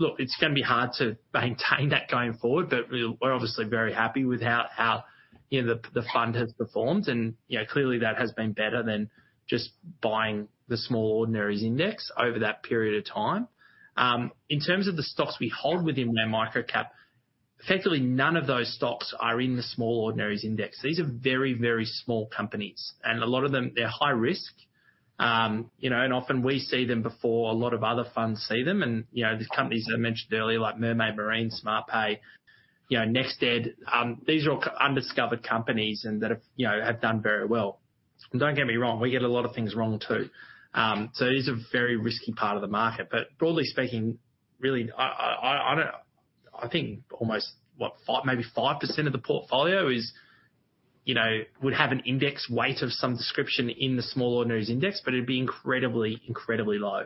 look, it's going to be hard to maintain that going forward, but we're, we're obviously very happy with how, how, you know, the, the fund has performed. And, you know, clearly that has been better than just buying the Small Ordinaries Index over that period of time. In terms of the stocks we hold within their Microcap, effectively, none of those stocks are in the Small Ordinaries Index. These are very, very small companies, and a lot of them, they're high risk. You know, and often we see them before a lot of other funds see them. You know, these companies that I mentioned earlier, like Mermaid Marine, Smartpay, you know, NextEd, these are all undiscovered companies and that have, you know, have done very well. Don't get me wrong, we get a lot of things wrong, too. So it is a very risky part of the market. But broadly speaking, really, I don't. I think almost, what? five, maybe 5% of the portfolio is, you know, would have an index weight of some description in the Small Ordinaries Index, but it'd be incredibly, incredibly low.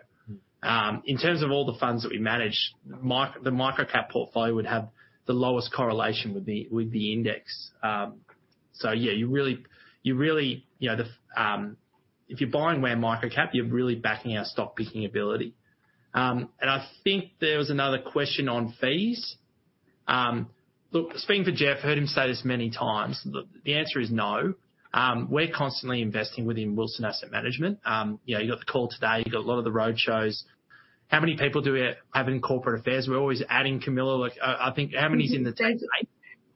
In terms of all the funds that we manage, the Micro-Cap portfolio would have the lowest correlation with the index. So yeah, you really, you really, you know. If you're buying WAM Micro-Cap, you're really backing our stock picking ability. And I think there was another question on fees. Look, speaking for Geoff, I heard him say this many times, the answer is no. We're constantly investing within Wilson Asset Management. You know, you got the call today, you got a lot of the road shows. How many people do we have in corporate affairs? We're always adding, Camilla. Like, I think, how many is in the team?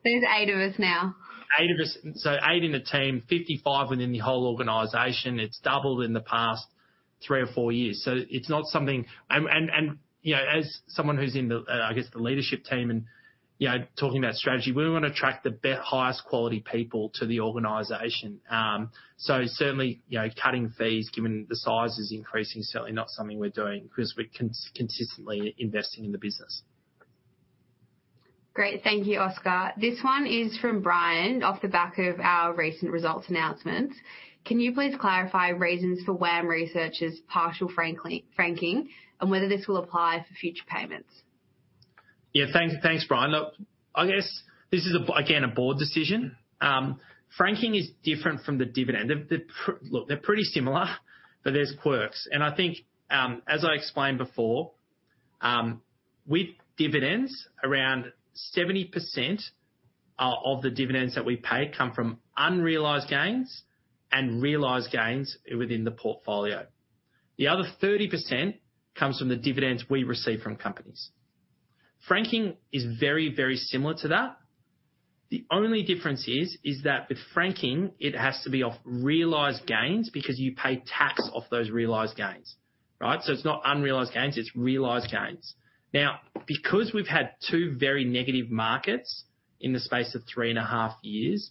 There's eight of us now. Eight of us. So eight in the team, 55 within the whole organization. It's doubled in the past three to four years. So it's not something... And you know, as someone who's in the, I guess, the leadership team and, you know, talking about strategy, we want to attract the highest quality people to the organization. So certainly, you know, cutting fees, given the size is increasing, is certainly not something we're doing because we're consistently investing in the business. Great. Thank you, Oscar. This one is from Brian. Off the back of our recent results announcements, can you please clarify reasons for WAM Research's partial franking and whether this will apply for future payments? Yeah, thanks, thanks, Brian. Look, I guess this is a, again, a board decision. Franking is different from the dividend. They're pretty similar, but there's quirks, and I think, as I explained before, with dividends, around 70% of, of the dividends that we pay come from unrealized gains and realized gains within the portfolio. The other 30% comes from the dividends we receive from companies. Franking is very, very similar to that. The only difference is, is that with franking, it has to be off realized gains because you pay tax off those realized gains, right? So it's not unrealized gains, it's realized gains. Now, because we've had two very negative markets in the space of three and a half years,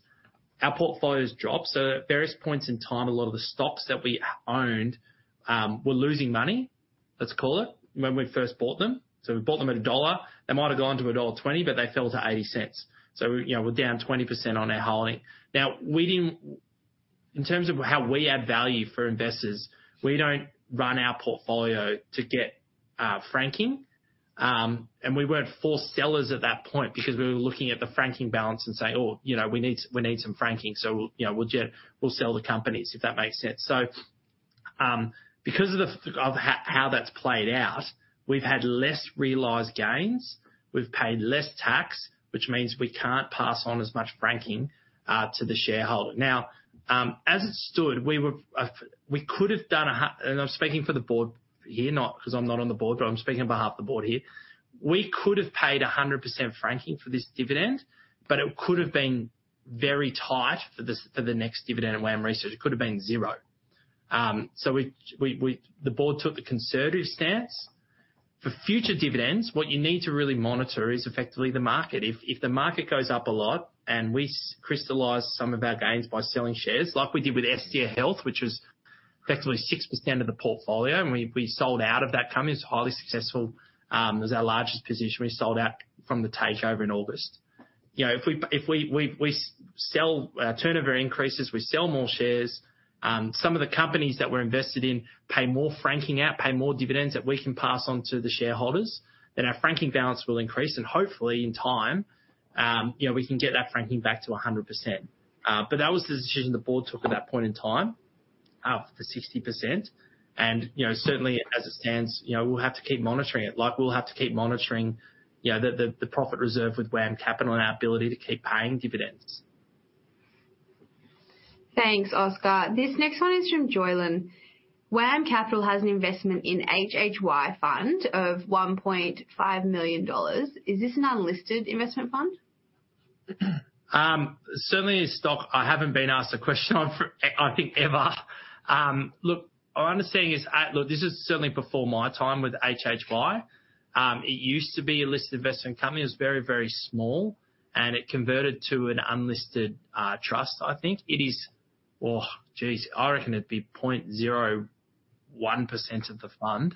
our portfolios drop. So at various points in time, a lot of the stocks that we owned were losing money, let's call it, when we first bought them. So we bought them at AUD 1. They might have gone to dollar 1.20, but they fell to 0.80. So, you know, we're down 20% on our holding. Now, we didn't. In terms of how we add value for investors, we don't run our portfolio to get franking. And we weren't forced sellers at that point because we were looking at the franking balance and say, "Oh, you know, we need, we need some franking, so, you know, we'll just, we'll sell the companies," if that makes sense. Because of how that's played out, we've had less realized gains, we've paid less tax, which means we can't pass on as much franking to the shareholder. Now, as it stood, and I'm speaking for the board here, because I'm not on the board, but I'm speaking on behalf of the board here. We could have paid 100% franking for this dividend, but it could have been very tight for the next dividend at WAM Research. It could have been zero. So, the board took the conservative stance. For future dividends, what you need to really monitor is effectively the market. If the market goes up a lot and we crystallize some of our gains by selling shares like we did with Estia Health, which was effectively 6% of the portfolio, and we sold out of that company. It's highly successful, it was our largest position. We sold out from the takeover in August. You know, if we sell, turnover increases, we sell more shares, some of the companies that we're invested in pay more franking out, pay more dividends that we can pass on to the shareholders, then our franking balance will increase, and hopefully in time, you know, we can get that franking back to 100%. But that was the decision the board took at that point in time, for 60%. You know, certainly as it stands, you know, we'll have to keep monitoring it, like we'll have to keep monitoring, you know, the profit reserve with WAM Capital and our ability to keep paying dividends. Thanks, Oscar. This next one is from Joylan. WAM Capital has an investment in HHY Fund of 1.5 million dollars. Is this an unlisted investment fund? Certainly a stock I haven't been asked a question on for, I think, ever. Look, our understanding is. Look, this is certainly before my time with HHY. It used to be a listed investment company. It was very, very small, and it converted to an unlisted trust, I think. It is, oh, geez, I reckon it'd be 0.01% of the fund.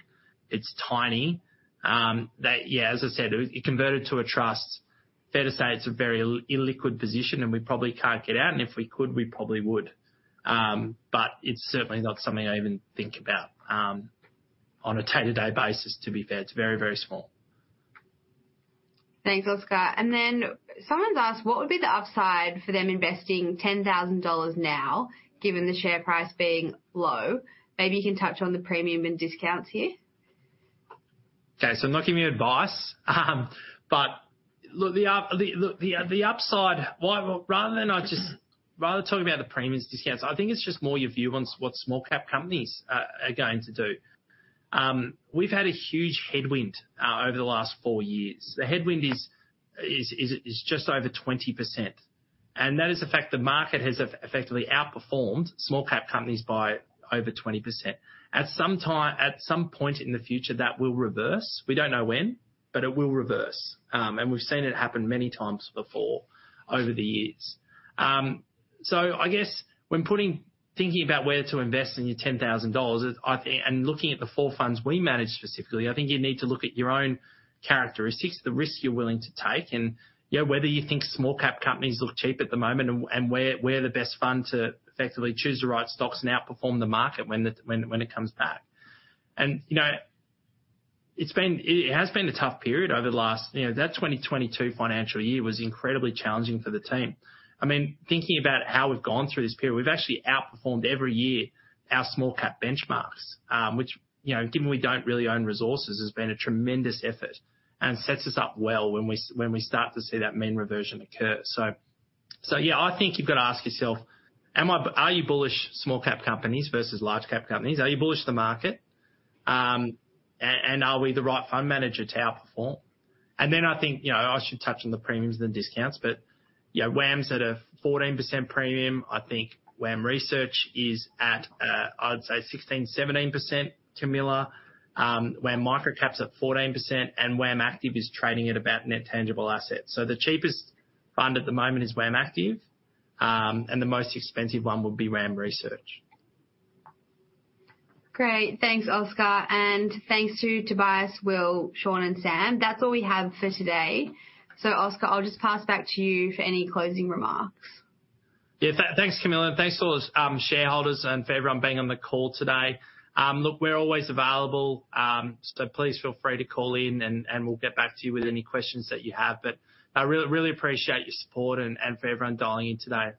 It's tiny. That, yeah, as I said, it converted to a trust. Fair to say it's a very illiquid position, and we probably can't get out, and if we could, we probably would. But it's certainly not something I even think about on a day-to-day basis, to be fair. It's very, very small. Thanks, Oscar. Then someone's asked: What would be the upside for them investing 10,000 dollars now, given the share price being low? Maybe you can touch on the premium and discounts here. Okay, so I'm not giving you advice, but look, rather than talking about the premiums, discounts, I think it's just more your view on what small cap companies are going to do. We've had a huge headwind over the last four years. The headwind is just over 20%, and that is the fact the market has effectively outperformed small cap companies by over 20%. At some time, at some point in the future, that will reverse. We don't know when, but it will reverse. And we've seen it happen many times before over the years. So I guess when thinking about where to invest your 10,000 dollars, I think, and looking at the four funds we manage specifically, I think you need to look at your own characteristics, the risk you're willing to take, and, you know, whether you think small cap companies look cheap at the moment and we're the best fund to effectively choose the right stocks and outperform the market when it comes back. And, you know, it's been... It has been a tough period over the last, you know, that 2022 financial year was incredibly challenging for the team. I mean, thinking about how we've gone through this period, we've actually outperformed every year our small-cap benchmarks, which, you know, given we don't really own resources, has been a tremendous effort and sets us up well when we start to see that mean reversion occur. So, yeah, I think you've got to ask yourself, are you bullish small-cap companies versus large-cap companies? Are you bullish the market? And are we the right fund manager to outperform? And then I think, you know, I should touch on the premiums and discounts, but, yeah, WAM's at a 14% premium. I think WAM Research is at, I'd say 16%-17%, Camilla. WAM Microcap at 14% and WAM Active is trading at about net tangible assets. So the cheapest fund at the moment is WAM Active, and the most expensive one would be WAM Research. Great. Thanks, Oscar, and thanks to Tobias, Will, Shaun and Sam. That's all we have for today. So Oscar, I'll just pass back to you for any closing remarks. Yeah, thanks, Camilla. Thanks to all those shareholders and for everyone being on the call today. Look, we're always available, so please feel free to call in and we'll get back to you with any questions that you have. But I really, really appreciate your support and for everyone dialing in today.